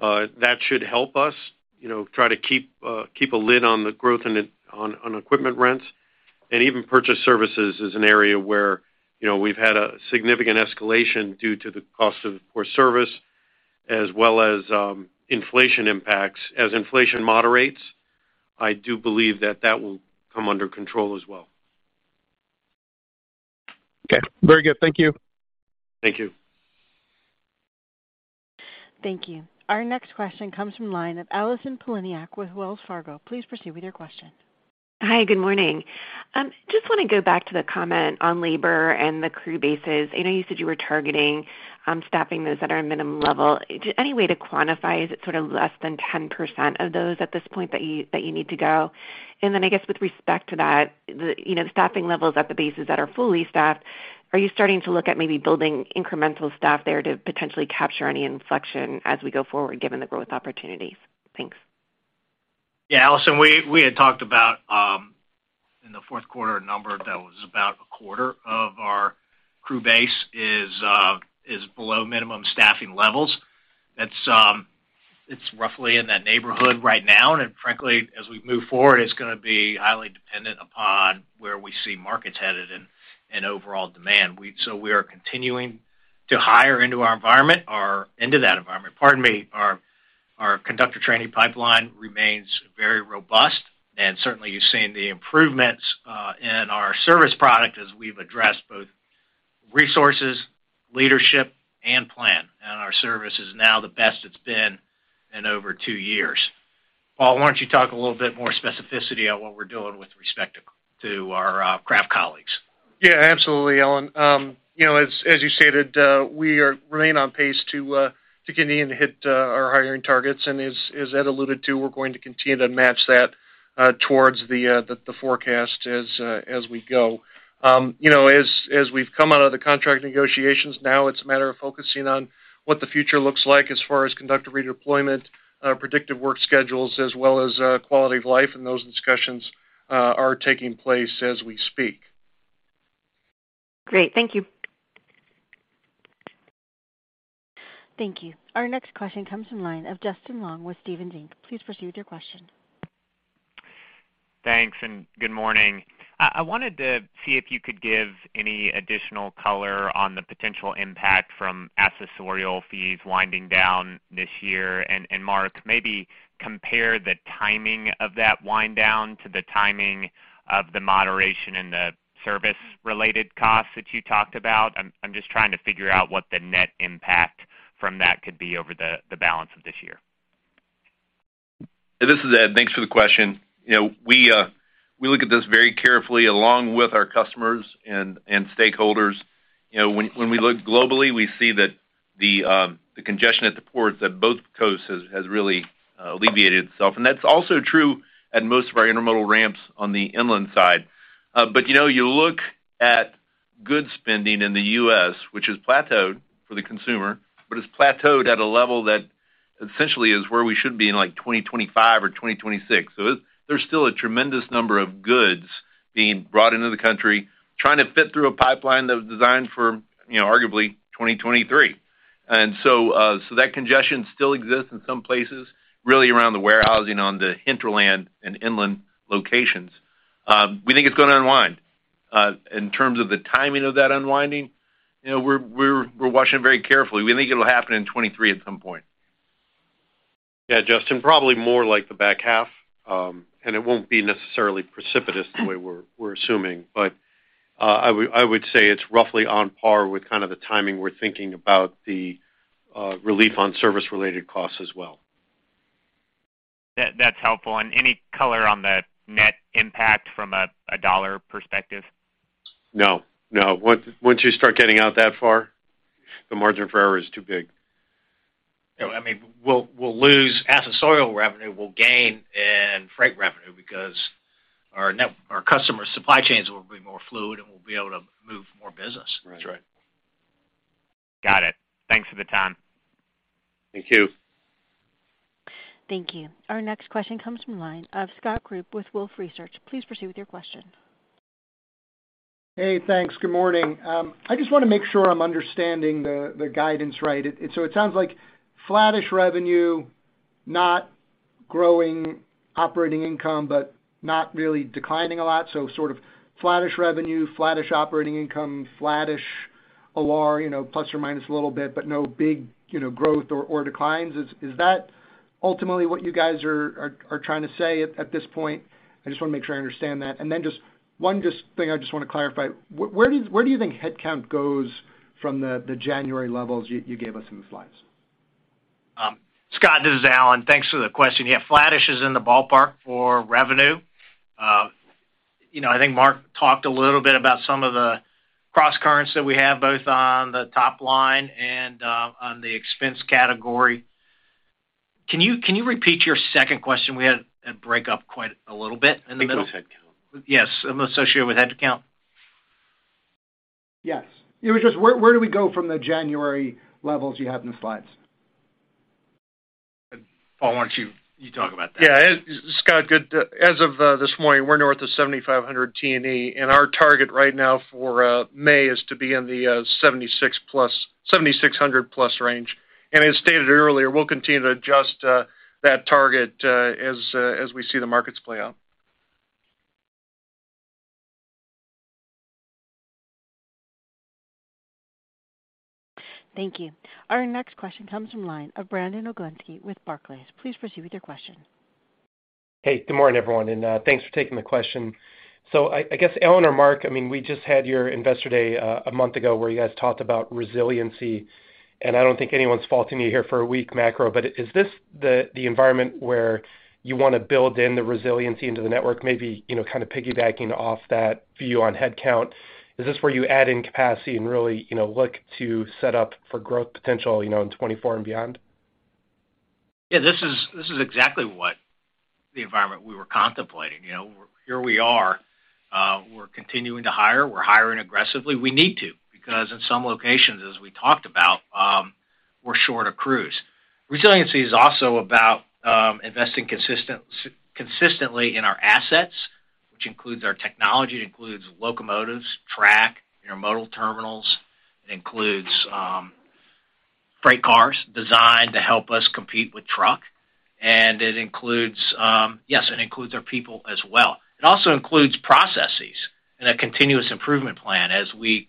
that should help us, you know, try to keep a lid on the growth and on equipment rents. Even purchase services is an area where, you know, we've had a significant escalation due to the cost of poor service as well as inflation impacts. As inflation moderates, I do believe that that will come under control as well. Okay. Very good. Thank you. Thank you. Thank you. Our next question comes from line of Allison Poliniak-Cusic with Wells Fargo. Please proceed with your question. Hi, good morning. Just want to go back to the comment on labor and the crew bases. I know you said you were targeting staffing those that are at minimum level. Any way to quantify, is it sort of less than 10% of those at this point that you, that you need to go? Then I guess with respect to that, the, you know, staffing levels at the bases that are fully staffed, are you starting to look at maybe building incremental staff there to potentially capture any inflection as we go forward, given the growth opportunities? Thanks. Allison, we had talked about, in the fourth quarter, a number that was about a quarter of our crew base is below minimum staffing levels. That's, it's roughly in that neighborhood right now. Frankly, as we move forward, it's going to be highly dependent upon where we see markets headed and overall demand. So we are continuing to hire into that environment. Pardon me. Our conductor trainee pipeline remains very robust. Certainly, you've seen the improvements in our service product as we've addressed both resources, leadership, and plan. Our service is now the best it's been in over two years. Paul, why don't you talk a little bit more specificity on what we're doing with respect to our craft colleagues? Yeah, absolutely, Alan. you know, as you stated, we remain on pace to continue to hit our hiring targets. As Ed alluded to, we're going to continue to match that towards the forecast as we go. you know, as we've come out of the contract negotiations, now it's a matter of focusing on what the future looks like as far as conductor redeployment, predictive work schedules, as well as quality of life. Those discussions are taking place as we speak. Great. Thank you. Thank you. Our next question comes from line of Justin Long with Stephens Inc. Please proceed with your question. Thanks. Good morning. I wanted to see if you could give any additional color on the potential impact from accessorial fees winding down this year. Mark, maybe compare the timing of that wind down to the timing of the moderation in the service related costs that you talked about. I'm just trying to figure out what the net impact from that could be over the balance of this year. This is Ed. Thanks for the question. You know, we look at this very carefully along with our customers and stakeholders. You know, when we look globally, we see that the congestion at the ports at both coasts has really alleviated itself. That's also true at most of our intermodal ramps on the inland side. You know, you look at good spending in the U.S., which has plateaued for the consumer, but it's plateaued at a level that essentially is where we should be in, like, 2025 or 2026. There's still a tremendous number of goods being brought into the country, trying to fit through a pipeline that was designed for, you know, arguably 2023. So that congestion still exists in some places, really around the warehousing on the hinterland and inland locations. We think it's going to unwind. In terms of the timing of that unwinding, you know, we're watching very carefully. We think it'll happen in 23 at some point. Yeah, Justin, probably more like the back half. It won't be necessarily precipitous the way we're assuming. I would say it's roughly on par with kind of the timing we're thinking about the relief on service related costs as well. That's helpful. Any color on the net impact from a dollar perspective? No, no. Once you start getting out that far, the margin for error is too big. You know, I mean, we'll lose accessorial revenue, we'll gain in freight revenue because our customer supply chains will be more fluid, and we'll be able to move more business. That's right. Got it. Thanks for the time. Thank you. Thank you. Our next question comes from line of Scott Group with Wolfe Research. Please proceed with your question. Hey, thanks. Good morning. I just want to make sure I'm understanding the guidance right. It sounds like flattish revenue, not growing operating income, but not really declining a lot. Sort of flattish revenue, flattish operating income, flattish OR, you know, plus or minus a little bit, but no big, you know, growth or declines. Is that ultimately what you guys are trying to say at this point? I just want to make sure I understand that. Just one thing I just want to clarify. Where do you think headcount goes from the January levels you gave us in the slides? Scott, this is Alan. Thanks for the question. Yeah, flattish is in the ballpark for revenue. You know, I think Mark talked a little bit about some of the crosscurrents that we have both on the top line and on the expense category. Can you repeat your second question? We had a break up quite a little bit in the middle. I think it was headcount. Yes. associated with headcount. Yes. It was just where do we go from the January levels you had in the slides? Paul, why don't you talk about that? Yeah. Scott, good. As of this morning, we're north of 7,500 T&E, and our target right now for May is to be in the 7,600 plus range. As stated earlier, we'll continue to adjust that target as we see the markets play out. Thank you. Our next question comes from line of Brandon Oglenski with Barclays. Please proceed with your question. Hey, good morning, everyone, and thanks for taking the question. I guess, Alan or Mark, I mean, we just had your investor day a month ago where you guys talked about resiliency, and I don't think anyone's faulting you here for a weak macro, but is this the environment where you wanna build in the resiliency into the network, maybe, you know, kind of piggybacking off that view on headcount? Is this where you add in capacity and really, you know, look to set up for growth potential, you know, in 2024 and beyond? Yeah, this is exactly what the environment we were contemplating. You know, here we are. We're continuing to hire, we're hiring aggressively. We need to because in some locations, as we talked about, we're short of crews. Resiliency is also about investing consistently in our assets, which includes our technology, it includes locomotives, track, intermodal terminals. It includes freight cars designed to help us compete with truck, and it includes, yes, it includes our people as well. It also includes processes and a continuous improvement plan as we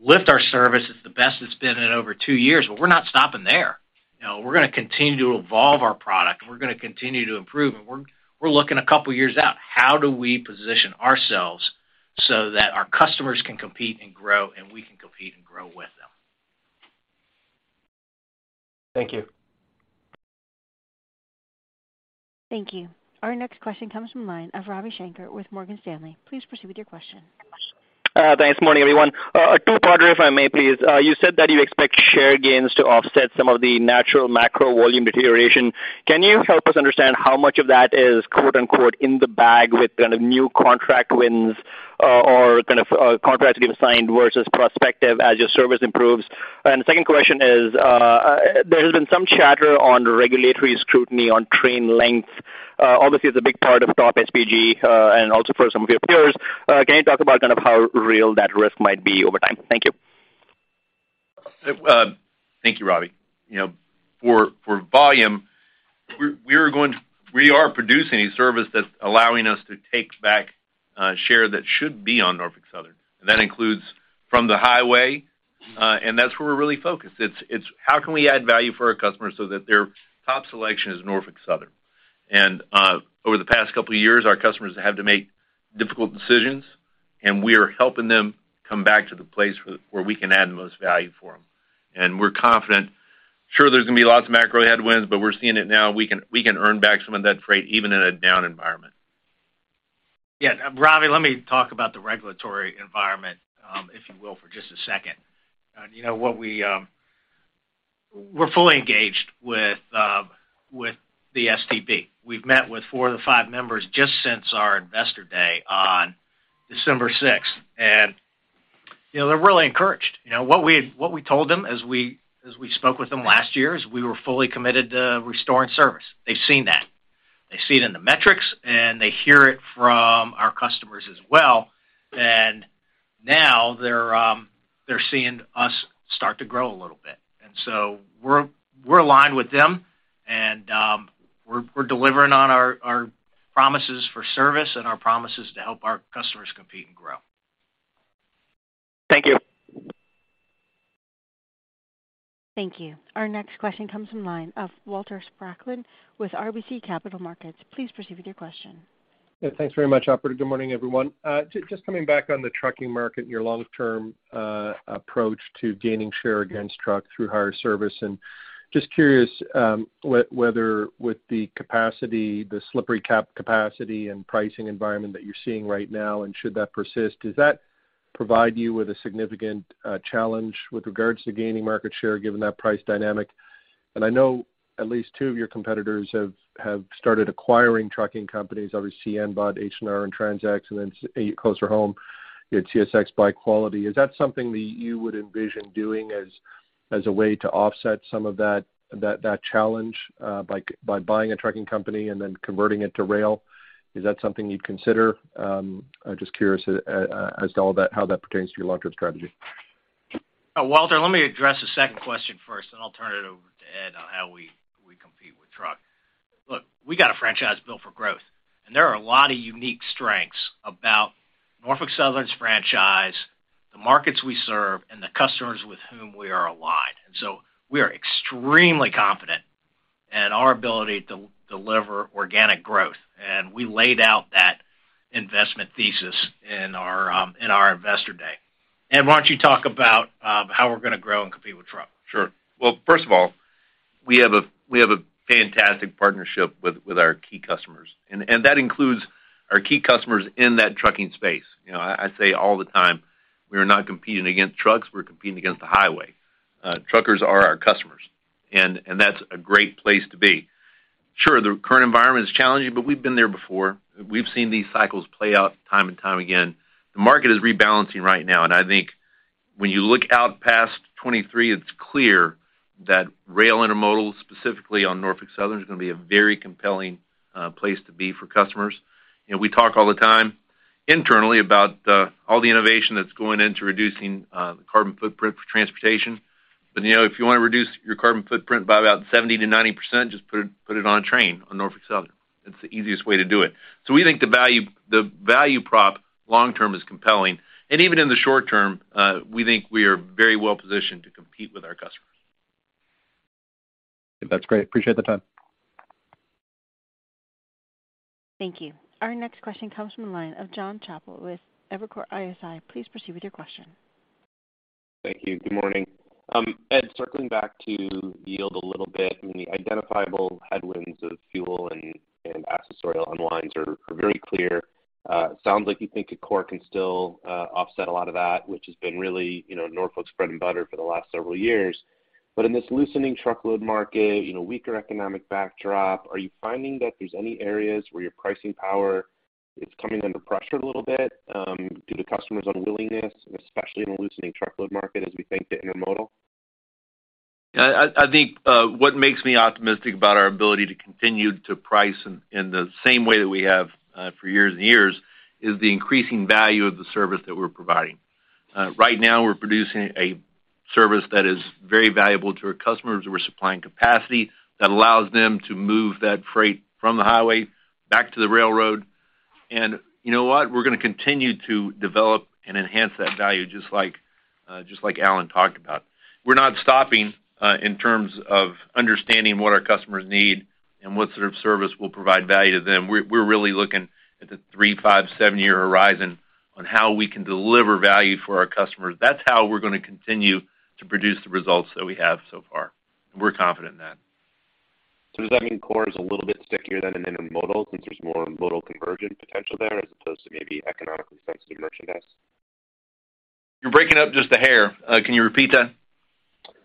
lift our service. It's the best it's been in over two years. We're not stopping there. You know, we're gonna continue to evolve our product, and we're gonna continue to improve, and we're looking a couple years out. How do we position ourselves so that our customers can compete and grow, and we can compete and grow with them? Thank you. Thank you. Our next question comes from line of Ravi Shanker with Morgan Stanley. Please proceed with your question. Thanks, morning, everyone. Two parter, if I may please. You said that you expect share gains to offset some of the natural macro volume deterioration. Can you help us understand how much of that is quote-unquote, "In the bag with kind of new contract wins," or kind of, contracts getting signed versus prospective as your service improves? The second question is, there has been some chatter on regulatory scrutiny on train length. Obviously it's a big part of TOP|SPG, and also for some of your peers. Can you talk about kind of how real that risk might be over time? Thank you. Thank you, Ravi. You know, for volume, we're, we are producing a service that's allowing us to take back share that should be on Norfolk Southern, and that includes from the highway. That's where we're really focused. It's how can we add value for our customers so that their top selection is Norfolk Southern. Over the past couple of years, our customers have had to make difficult decisions, and we are helping them come back to the place where we can add the most value for them. We're confident. Sure, there's gonna be lots of macro headwinds. We're seeing it now. We can earn back some of that freight even in a down environment. Yeah. Ravi Shanker, let me talk about the regulatory environment, if you will, for just a second. You know what we're fully engaged with the STB. We've met with four of the five members just since our investor day on December 6th, you know, they're really encouraged. You know, what we told them as we spoke with them last year is we were fully committed to restoring service. They've seen that. They see it in the metrics, they hear it from our customers as well. Now they're seeing us start to grow a little bit. We're aligned with them and we're delivering on our promises for service and our promises to help our customers compete and grow. Thank you. Thank you. Our next question comes from line of Walter Spracklin with RBC Capital Markets. Please proceed with your question. Yeah, thanks very much, operator. Good morning, everyone. just coming back on the trucking market and your long-term approach to gaining share against truck through higher service and just curious whether with the capacity, the slippery cap capacity and pricing environment that you're seeing right now, should that persist, does that provide you with a significant challenge with regards to gaining market share given that price dynamic? I know at least two of your competitors have started acquiring trucking companies. Obviously, CN bought H&R and TransX, and then closer to home, you had CSX buy Quality. Is that something that you would envision doing as a way to offset some of that challenge by buying a trucking company and then converting it to rail? Is that something you'd consider? I'm just curious, as to all that, how that pertains to your long-term strategy? Walter, let me address the second question first. I'll turn it over to Ed on how we compete with truck. Look, we got a franchise built for growth, and there are a lot of unique strengths about Norfolk Southern's franchise, the markets we serve, and the customers with whom we are aligned. We are extremely confident in our ability to deliver organic growth, and we laid out that investment thesis in our investor day. Ed, why don't you talk about how we're gonna grow and compete with truck? Well, first of all, we have a fantastic partnership with our key customers, and that includes our key customers in that trucking space. You know, I say all the time, we are not competing against trucks, we're competing against the highway. Truckers are our customers, and that's a great place to be. The current environment is challenging, but we've been there before. We've seen these cycles play out time and time again. The market is rebalancing right now, I think when you look out past 2023, it's clear that rail intermodal, specifically on Norfolk Southern, is gonna be a very compelling place to be for customers. You know, we talk all the time internally about all the innovation that's going into reducing the carbon footprint for transportation. You know, if you wanna reduce your carbon footprint by about 70%-90%, just put it on a train on Norfolk Southern. It's the easiest way to do it. We think the value, the value prop long term is compelling. Even in the short term, we think we are very well positioned to compete with our customers. That's great. Appreciate the time. Thank you. Our next question comes from the line of Jon Chappell with Evercore ISI. Please proceed with your question. Thank you. Good morning. Ed, circling back to yield a little bit and the identifiable headwinds of fuel and accessorial unwinds are very clear. Sounds like you think core can still offset a lot of that, which has been really, you know, Norfolk's bread and butter for the last several years. In this loosening truckload market, you know, weaker economic backdrop, are you finding that there's any areas where your pricing power is coming under pressure a little bit, due to customers' unwillingness, and especially in a loosening truckload market as we think to intermodal? I think what makes me optimistic about our ability to continue to price in the same way that we have for years and years, is the increasing value of the service that we're providing. Right now, we're producing a service that is very valuable to our customers. We're supplying capacity that allows them to move that freight from the highway back to the railroad. You know what? We're gonna continue to develop and enhance that value, just like just like Alan talked about. We're not stopping in terms of understanding what our customers need and what sort of service will provide value to them. We're really looking at the three, five, seven-year horizon on how we can deliver value for our customers. That's how we're gonna continue to produce the results that we have so far. We're confident in that. Does that mean core is a little bit stickier than an intermodal since there's more modal conversion potential there as opposed to maybe economically sensitive merchandise? You're breaking up just a hair. Can you repeat that?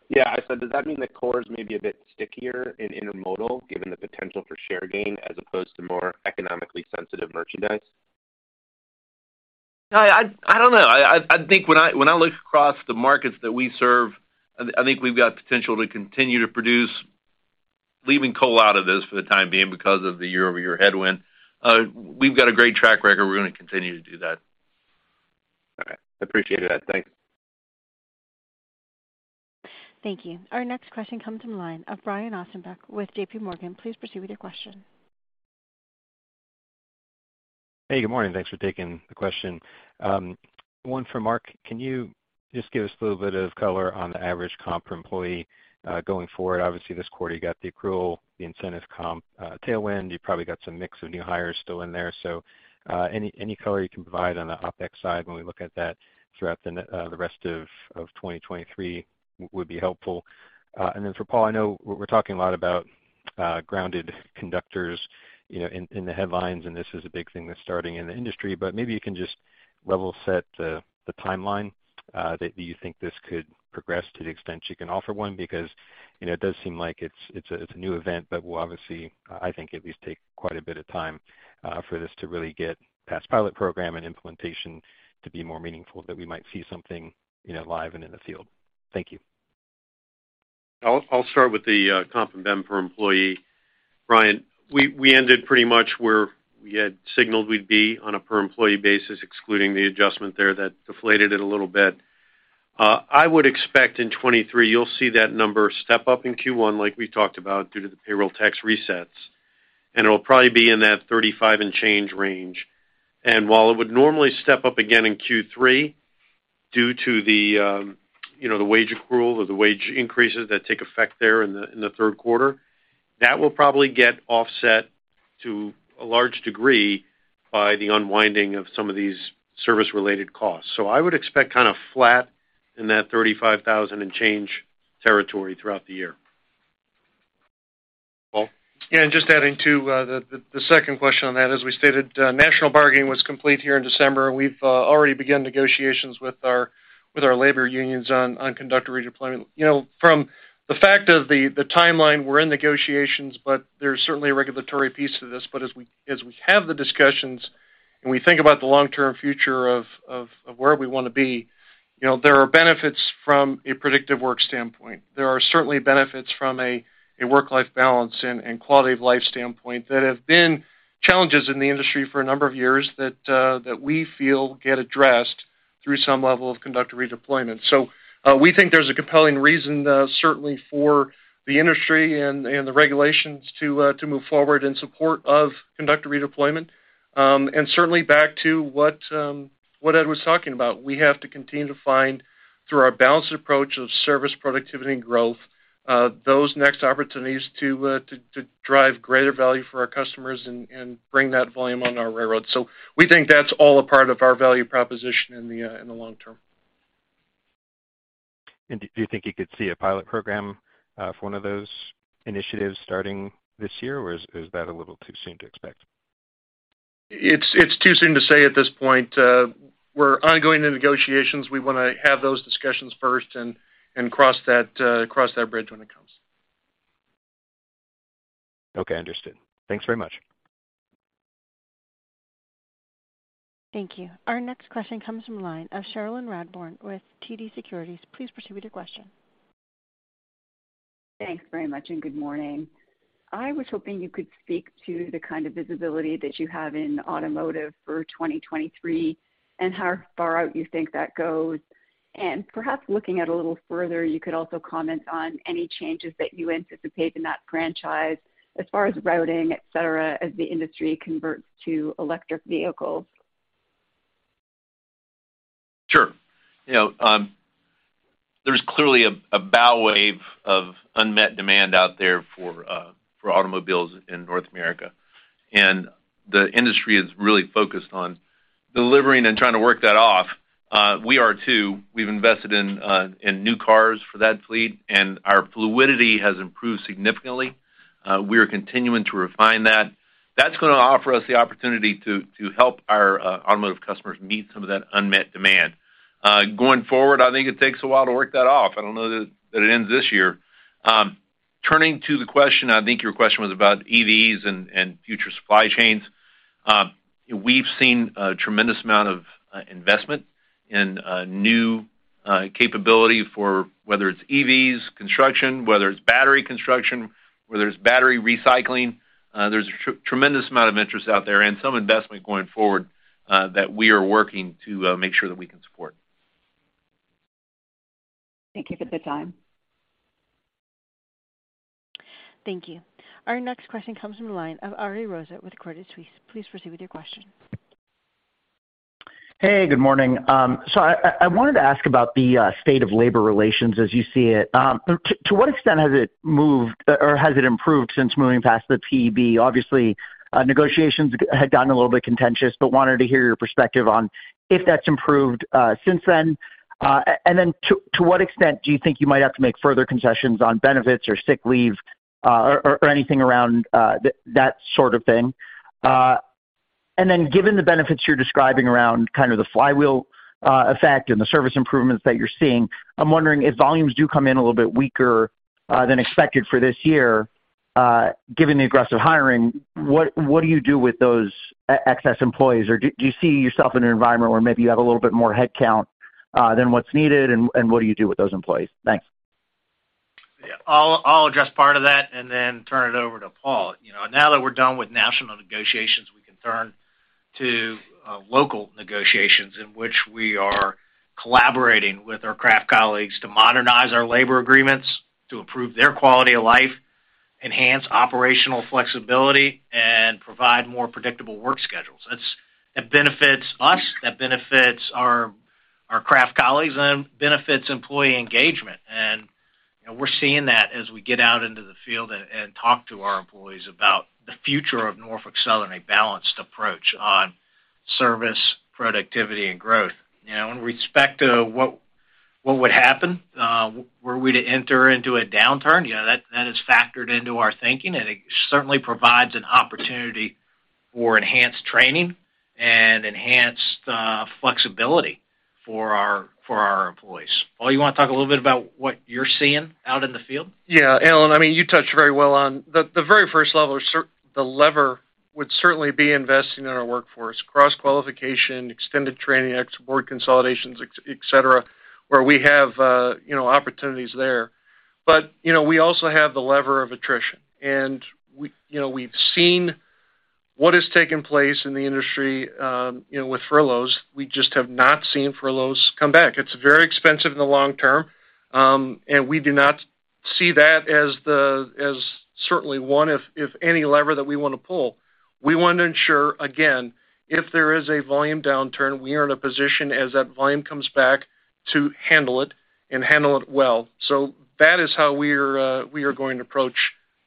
Yeah. I said, does that mean the core is maybe a bit stickier in intermodal given the potential for share gain as opposed to more economically sensitive merchandise? I don't know. I think when I look across the markets that we serve, I think we've got potential to continue to produce, leaving coal out of this for the time being because of the year-over-year headwind. We've got a great track record. We're gonna continue to do that. All right. Appreciate that. Thanks. Thank you. Our next question comes from the line of Brian Ossenbeck with JPMorgan. Please proceed with your question. Hey, good morning. Thanks for taking the question. One for Mark. Can you just give us a little bit of color on the average comp per employee going forward? Obviously this quarter, you got the accrual, the incentives comp tailwind. You probably got some mix of new hires still in there. Any color you can provide on the OpEx side when we look at that throughout the rest of 2023 would be helpful. For Paul, I know we're talking a lot about grounded conductors, you know, in the headlines, this is a big thing that's starting in the industry. Maybe you can just level set the timeline that you think this could progress to the extent you can offer one because, you know, it does seem like it's a new event, but will obviously, I think at least take quite a bit of time for this to really get past pilot program and implementation to be more meaningful that we might see something, you know, live and in the field. Thank you. I'll start with the comp and ben per employee. Brian, we ended pretty much where we had signaled we'd be on a per employee basis, excluding the adjustment there that deflated it a little bit. I would expect in 2023, you'll see that number step up in Q1 like we talked about due to the payroll tax resets, and it'll probably be in that $35 and change range. While it would normally step up again in Q3 due to, you know, the wage accrual or the wage increases that take effect there in the third quarter, that will probably get offset to a large degree by the unwinding of some of these service related costs. I would expect kind of flat in that $35,000 and change territory throughout the year. Paul? Yeah, just adding to the second question on that. As we stated, national bargaining was complete here in December, we've already begun negotiations with our labor unions on conductor redeployment. You know, from the fact of the timeline, we're in negotiations, there's certainly a regulatory piece to this. As we have the discussions and we think about the long-term future of where we wanna be, you know, there are benefits from a predictive work standpoint. There are certainly benefits from a work-life balance and quality of life standpoint that have been challenges in the industry for a number of years that we feel get addressed through some level of conductor redeployment. We think there's a compelling reason, certainly for the industry and the regulations to move forward in support of conductor redeployment. Certainly back to what Ed was talking about. We have to continue to find through our balanced approach of service, productivity, and growth, those next opportunities to drive greater value for our customers and bring that volume on our railroad. We think that's all a part of our value proposition in the long term. Do you think you could see a pilot program for one of those initiatives starting this year, or is that a little too soon to expect? It's too soon to say at this point. We're ongoing in negotiations. We wanna have those discussions first and cross that bridge when it comes. Okay, understood. Thanks very much. Thank you. Our next question comes from line of Cherilyn Radbourne with TD Securities. Please proceed with your question. Thanks very much, and good morning. I was hoping you could speak to the kind of visibility that you have in automotive for 2023 and how far out you think that goes. Perhaps looking at a little further, you could also comment on any changes that you anticipate in that franchise as far as routing, et cetera, as the industry converts to electric vehicles. You know, there's clearly a bow wave of unmet demand out there for automobiles in North America, and the industry is really focused on delivering and trying to work that off. We are too. We've invested in new cars for that fleet, and our fluidity has improved significantly. We are continuing to refine that. That's gonna offer us the opportunity to help our automotive customers meet some of that unmet demand. Going forward, I think it takes a while to work that off. I don't know that it ends this year. Turning to the question, I think your question was about EVs and future supply chains. We've seen a tremendous amount of investment and new capability for whether it's EVs construction, whether it's battery construction, whether it's battery recycling. There's a tremendous amount of interest out there and some investment going forward, that we are working to make sure that we can support. Thank you for the time. Thank you. Our next question comes from the line of Ariel Rosa with Credit Suisse. Please proceed with your question. Hey, good morning. I wanted to ask about the state of labor relations as you see it. To what extent has it moved or has it improved since moving past the PEB? Obviously, negotiations had gotten a little bit contentious, wanted to hear your perspective on if that's improved since then. And then to what extent do you think you might have to make further concessions on benefits or sick leave or anything around that sort of thing? Given the benefits you're describing around kind of the flywheel effect and the service improvements that you're seeing, I'm wondering if volumes do come in a little bit weaker than expected for this year, given the aggressive hiring, what do you do with those excess employees? Do you see yourself in an environment where maybe you have a little bit more headcount than what's needed, and what do you do with those employees? Thanks. I'll address part of that and then turn it over to Paul. You know, now that we're done with national negotiations, we can turn to local negotiations in which we are collaborating with our craft colleagues to modernize our labor agreements, to improve their quality of life, enhance operational flexibility, and provide more predictable work schedules. It benefits us, that benefits our craft colleagues, and benefits employee engagement. You know, we're seeing that as we get out into the field and talk to our employees about the future of Norfolk Southern, a balanced approach on service, productivity, and growth. You know, in respect to what would happen, were we to enter into a downturn, you know, that is factored into our thinking, and it certainly provides an opportunity for enhanced training and enhanced flexibility for our employees. Paul, you wanna talk a little bit about what you're seeing out in the field? Yeah, Alan, I mean, you touched very well on the very first lever the lever would certainly be investing in our workforce, cross qualification, extended training, export consolidations, et cetera, where we have, you know, opportunities there. You know, we also have the lever of attrition. You know, we've seen what has taken place in the industry, you know, with furloughs. We just have not seen furloughs come back. It's very expensive in the long term. We do not see that as the certainly one if any lever that we wanna pull. We want to ensure, again, if there is a volume downturn, we are in a position as that volume comes back to handle it and handle it well. That is how we are, we are going to approach,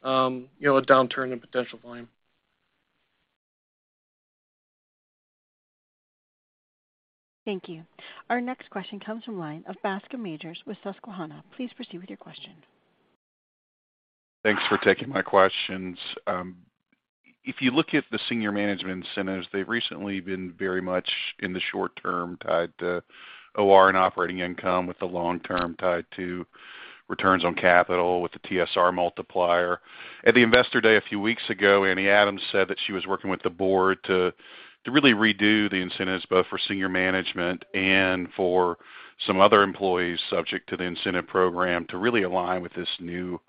you know, a downturn in potential volume. Thank you. Our next question comes from line of Bascome Majors with Susquehanna. Please proceed with your question. Thanks for taking my questions. If you look at the senior management incentives, they've recently been very much in the short term tied to OR and operating income, with the long term tied to returns on capital with the TSR multiplier. At the Investor Day a few weeks ago, Annie Adams said that she was working with the board to really redo the incentives both for senior management and for some other employees subject to the incentive program to really align with this new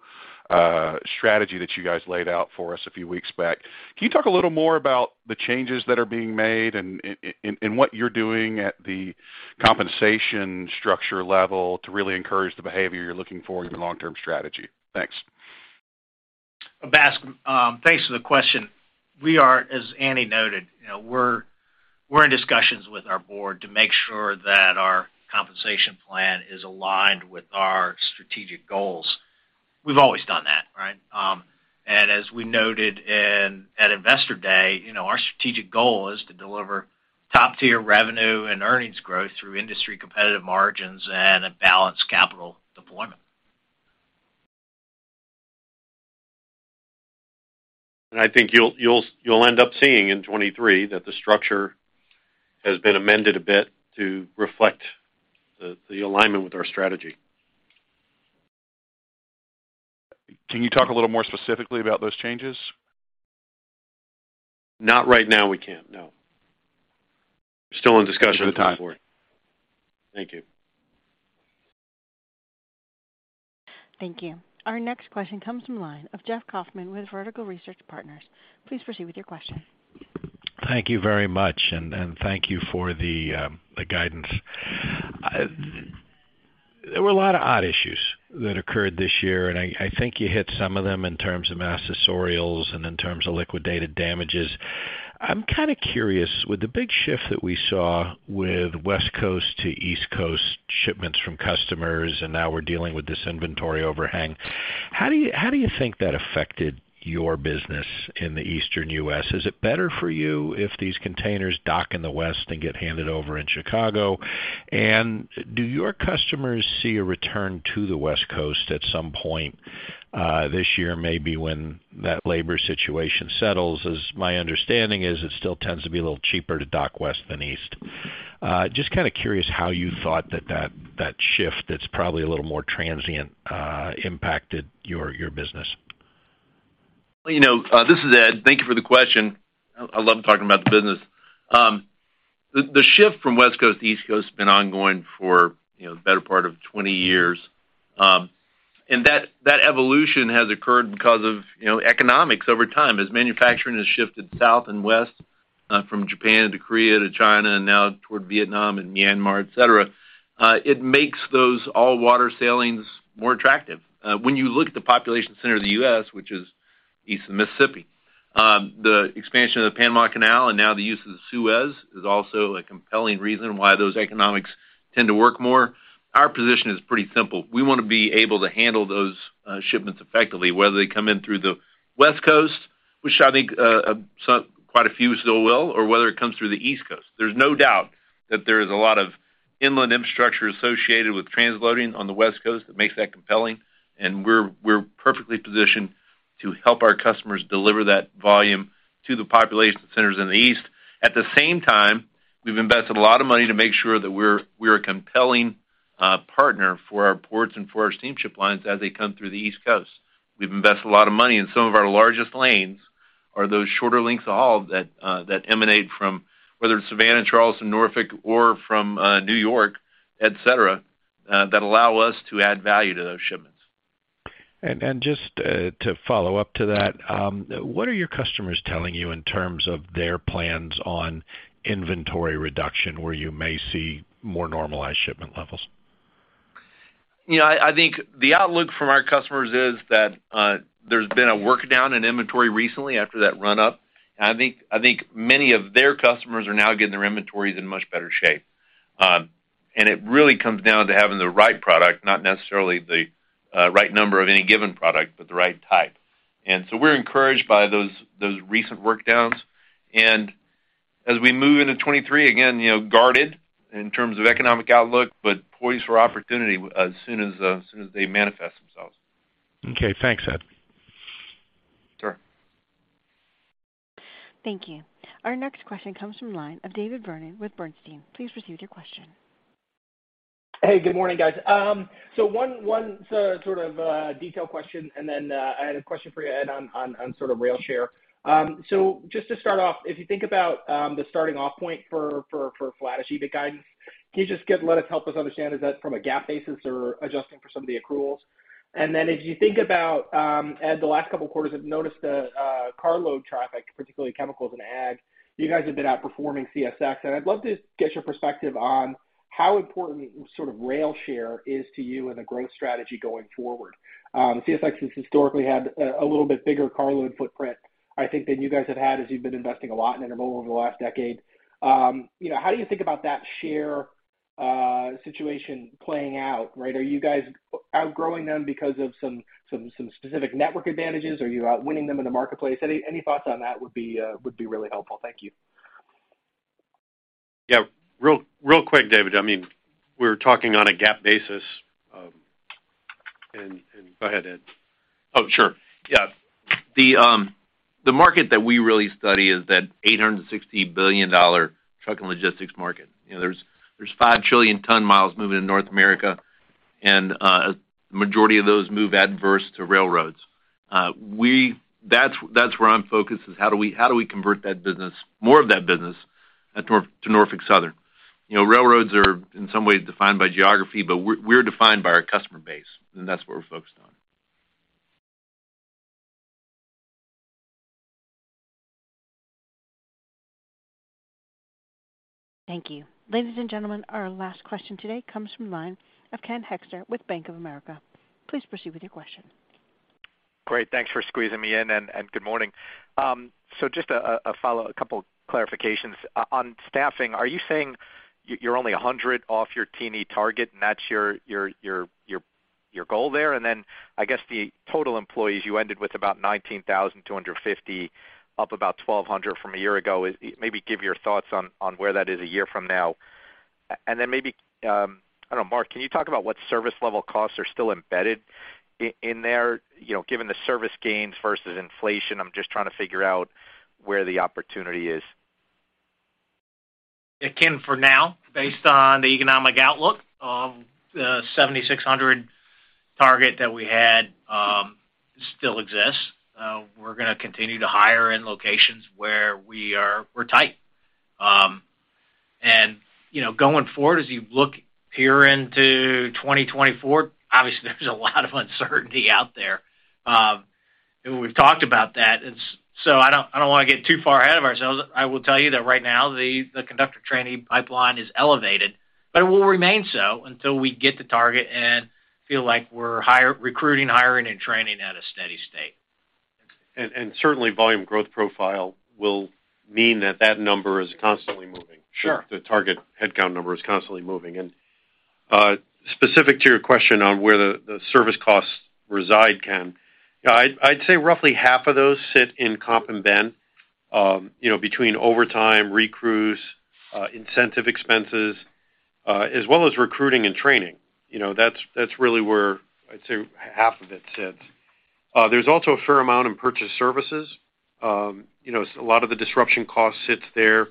strategy that you guys laid out for us a few weeks back. Can you talk a little more about the changes that are being made and what you're doing at the compensation structure level to really encourage the behavior you're looking for in your long-term strategy? Thanks. Bask, thanks for the question. We are, as Annie noted, you know, we're in discussions with our board to make sure that our compensation plan is aligned with our strategic goals. We've always done that, right? As we noted at Investor Day, you know, our strategic goal is to deliver top-tier revenue and earnings growth through industry competitive margins and a balanced capital deployment. I think you'll end up seeing in 23 that the structure has been amended a bit to reflect the alignment with our strategy. Can you talk a little more specifically about those changes? Not right now, we can't. No. We're still in discussion with the board. Thank you. Thank you. Our next question comes from line of Jeffrey Kauffman with Vertical Research Partners. Please proceed with your question. Thank you very much, and thank you for the guidance. There were a lot of odd issues that occurred this year, I think you hit some of them in terms of accessorials and in terms of liquidated damages. I'm kinda curious, with the big shift that we saw with West Coast to East Coast shipments from customers, and now we're dealing with this inventory overhang, how do you think that affected your business in the Eastern U.S.? Is it better for you if these containers dock in the West and get handed over in Chicago? Do your customers see a return to the West Coast at some point this year, maybe when that labor situation settles? As my understanding is it still tends to be a little cheaper to dock west than east. Just kind of curious how you thought that shift that's probably a little more transient, impacted your business? You know, this is Ed. Thank you for the question. I love talking about the business. The shift from West Coast to East Coast has been ongoing for, you know, the better part of 20 years. That evolution has occurred because of, you know, economics over time. As manufacturing has shifted south and west, from Japan to Korea to China and now toward Vietnam and Myanmar, et cetera, it makes those all-water sailings more attractive. When you look at the population center of the U.S., which is east of Mississippi, the expansion of the Panama Canal and now the use of the Suez is also a compelling reason why those economics tend to work more. Our position is pretty simple. We wanna be able to handle those shipments effectively, whether they come in through the West Coast, which I think quite a few still will, or whether it comes through the East Coast. There's no doubt that there is a lot of inland infrastructure associated with transloading on the West Coast that makes that compelling, and we're perfectly positioned to help our customers deliver that volume to the population centers in the East. At the same time, we've invested a lot of money to make sure that we're a compelling partner for our ports and for our steamship lines as they come through the East Coast. We've invested a lot of money, and some of our largest lanes are those shorter lengths of haul that emanate from whether it's Savannah, Charleston, Norfolk, or from, New York, et cetera, that allow us to add value to those shipments. Just to follow up to that, what are your customers telling you in terms of their plans on inventory reduction, where you may see more normalized shipment levels? You know, I think the outlook from our customers is that there's been a workdown in inventory recently after that run-up. I think many of their customers are now getting their inventories in much better shape. It really comes down to having the right product, not necessarily the right number of any given product, but the right type. We're encouraged by those recent workdowns. As we move into 2023, again, you know, guarded in terms of economic outlook, but poised for opportunity as soon as as soon as they manifest themselves. Okay, thanks, Ed. Sure. Thank you. Our next question comes from the line of David Vernon with Bernstein. Please proceed with your question. Hey, good morning, guys. 1 sort of detail question, and then I had a question for you, Ed, on sort of rail share. Just to start off, if you think about the starting off point for flat EBITDA guidance, can you just help us understand, is that from a GAAP basis or adjusting for some of the accruals? Then as you think about, Ed, the last couple of quarters, I've noticed a carload traffic, particularly chemicals and ag, you guys have been outperforming CSX, and I'd love to get your perspective on how important sort of rail share is to you in a growth strategy going forward. CSX has historically had a little bit bigger carload footprint, I think, than you guys have had as you've been investing a lot in intermodal over the last decade. You know, how do you think about that share situation playing out, right? Are you guys outgrowing them because of some specific network advantages? Are you outwinning them in the marketplace? Any thoughts on that would be really helpful. Thank you. Real, real quick, David. I mean, we're talking on a GAAP basis. Go ahead, Ed. Sure. The market that we really study is that $860 billion truck and logistics market. You know, there's 5 trillion ton miles moving in North America, and the majority of those move adverse to railroads. That's where I'm focused is how do we convert that business, more of that business to Norfolk Southern? You know, railroads are, in some ways, defined by geography, but we're defined by our customer base, and that's what we're focused on. Thank you. Ladies and gentlemen, our last question today comes from the line of Ken Hoexter with Bank of America. Please proceed with your question. Great. Thanks for squeezing me in, and good morning. Just a couple clarifications. On staffing, are you saying you're only 100 off your TE target, and that's your goal there? Then I guess the total employees, you ended with about 19,250, up about 1,200 from a year ago. Maybe give your thoughts on where that is a year from now. Then maybe, I don't know, Mark, can you talk about what service level costs are still embedded in there? You know, given the service gains versus inflation, I'm just trying to figure out where the opportunity is. Yeah, Ken, for now, based on the economic outlook, the 7,600 target that we had, still exists. We're gonna continue to hire in locations where we're tight. You know, going forward, as you look here into 2024, obviously, there's a lot of uncertainty out there. We've talked about that. I don't wanna get too far ahead of ourselves. I will tell you that right now the conductor trainee pipeline is elevated, but it will remain so until we get to target and feel like we're recruiting, hiring, and training at a steady state. Certainly volume growth profile will mean that that number is constantly moving. Sure. The target headcount number is constantly moving. Specific to your question on where the service costs reside, Ken, I'd say roughly half of those sit in comp and ben, you know, between overtime, recrews, incentive expenses, as well as recruiting and training. You know, that's really where I'd say half of it sits. There's also a fair amount in purchase services. You know, a lot of the disruption cost sits there.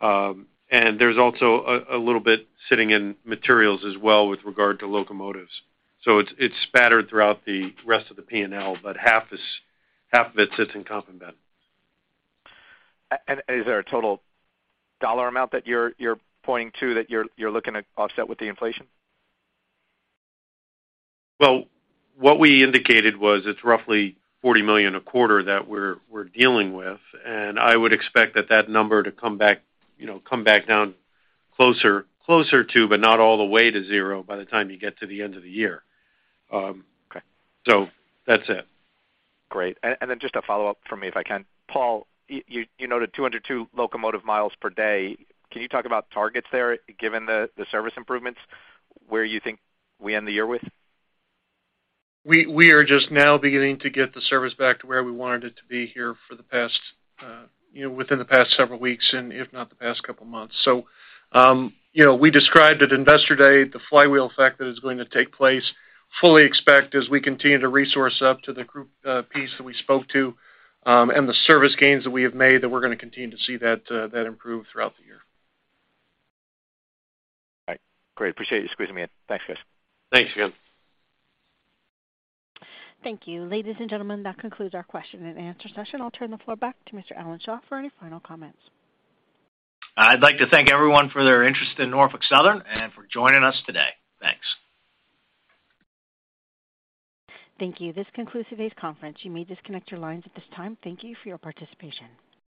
There's also a little bit sitting in materials as well with regard to locomotives. It's spattered throughout the rest of the P&L, but half of it sits in comp and ben. Is there a total dollar amount that you're pointing to that you're looking at offset with the inflation? What we indicated was it's roughly $40 million a quarter that we're dealing with, and I would expect that that number to come back, you know, come back down closer to, but not all the way to 0 by the time you get to the end of the year. Okay. That's it. Great. Then just a follow-up from me, if I can. Paul, you noted 202 locomotive miles per day. Can you talk about targets there, given the service improvements, where you think we end the year with? We are just now beginning to get the service back to where we wanted it to be here for the past, you know, within the past several weeks and if not the past couple months. You know, we described at Investor Day the flywheel effect that is going to take place, fully expect as we continue to resource up to the group piece that we spoke to, and the service gains that we have made, that we're gonna continue to see that improve throughout the year. All right. Great. Appreciate you squeezing me in. Thanks, guys. Thanks, Ken. Thank you. Ladies and gentlemen, that concludes our question and answer session. I'll turn the floor back to Mr. Alan Shaw for any final comments. I'd like to thank everyone for their interest in Norfolk Southern and for joining us today. Thanks. Thank you. This concludes today's conference. You may disconnect your lines at this time. Thank you for your participation.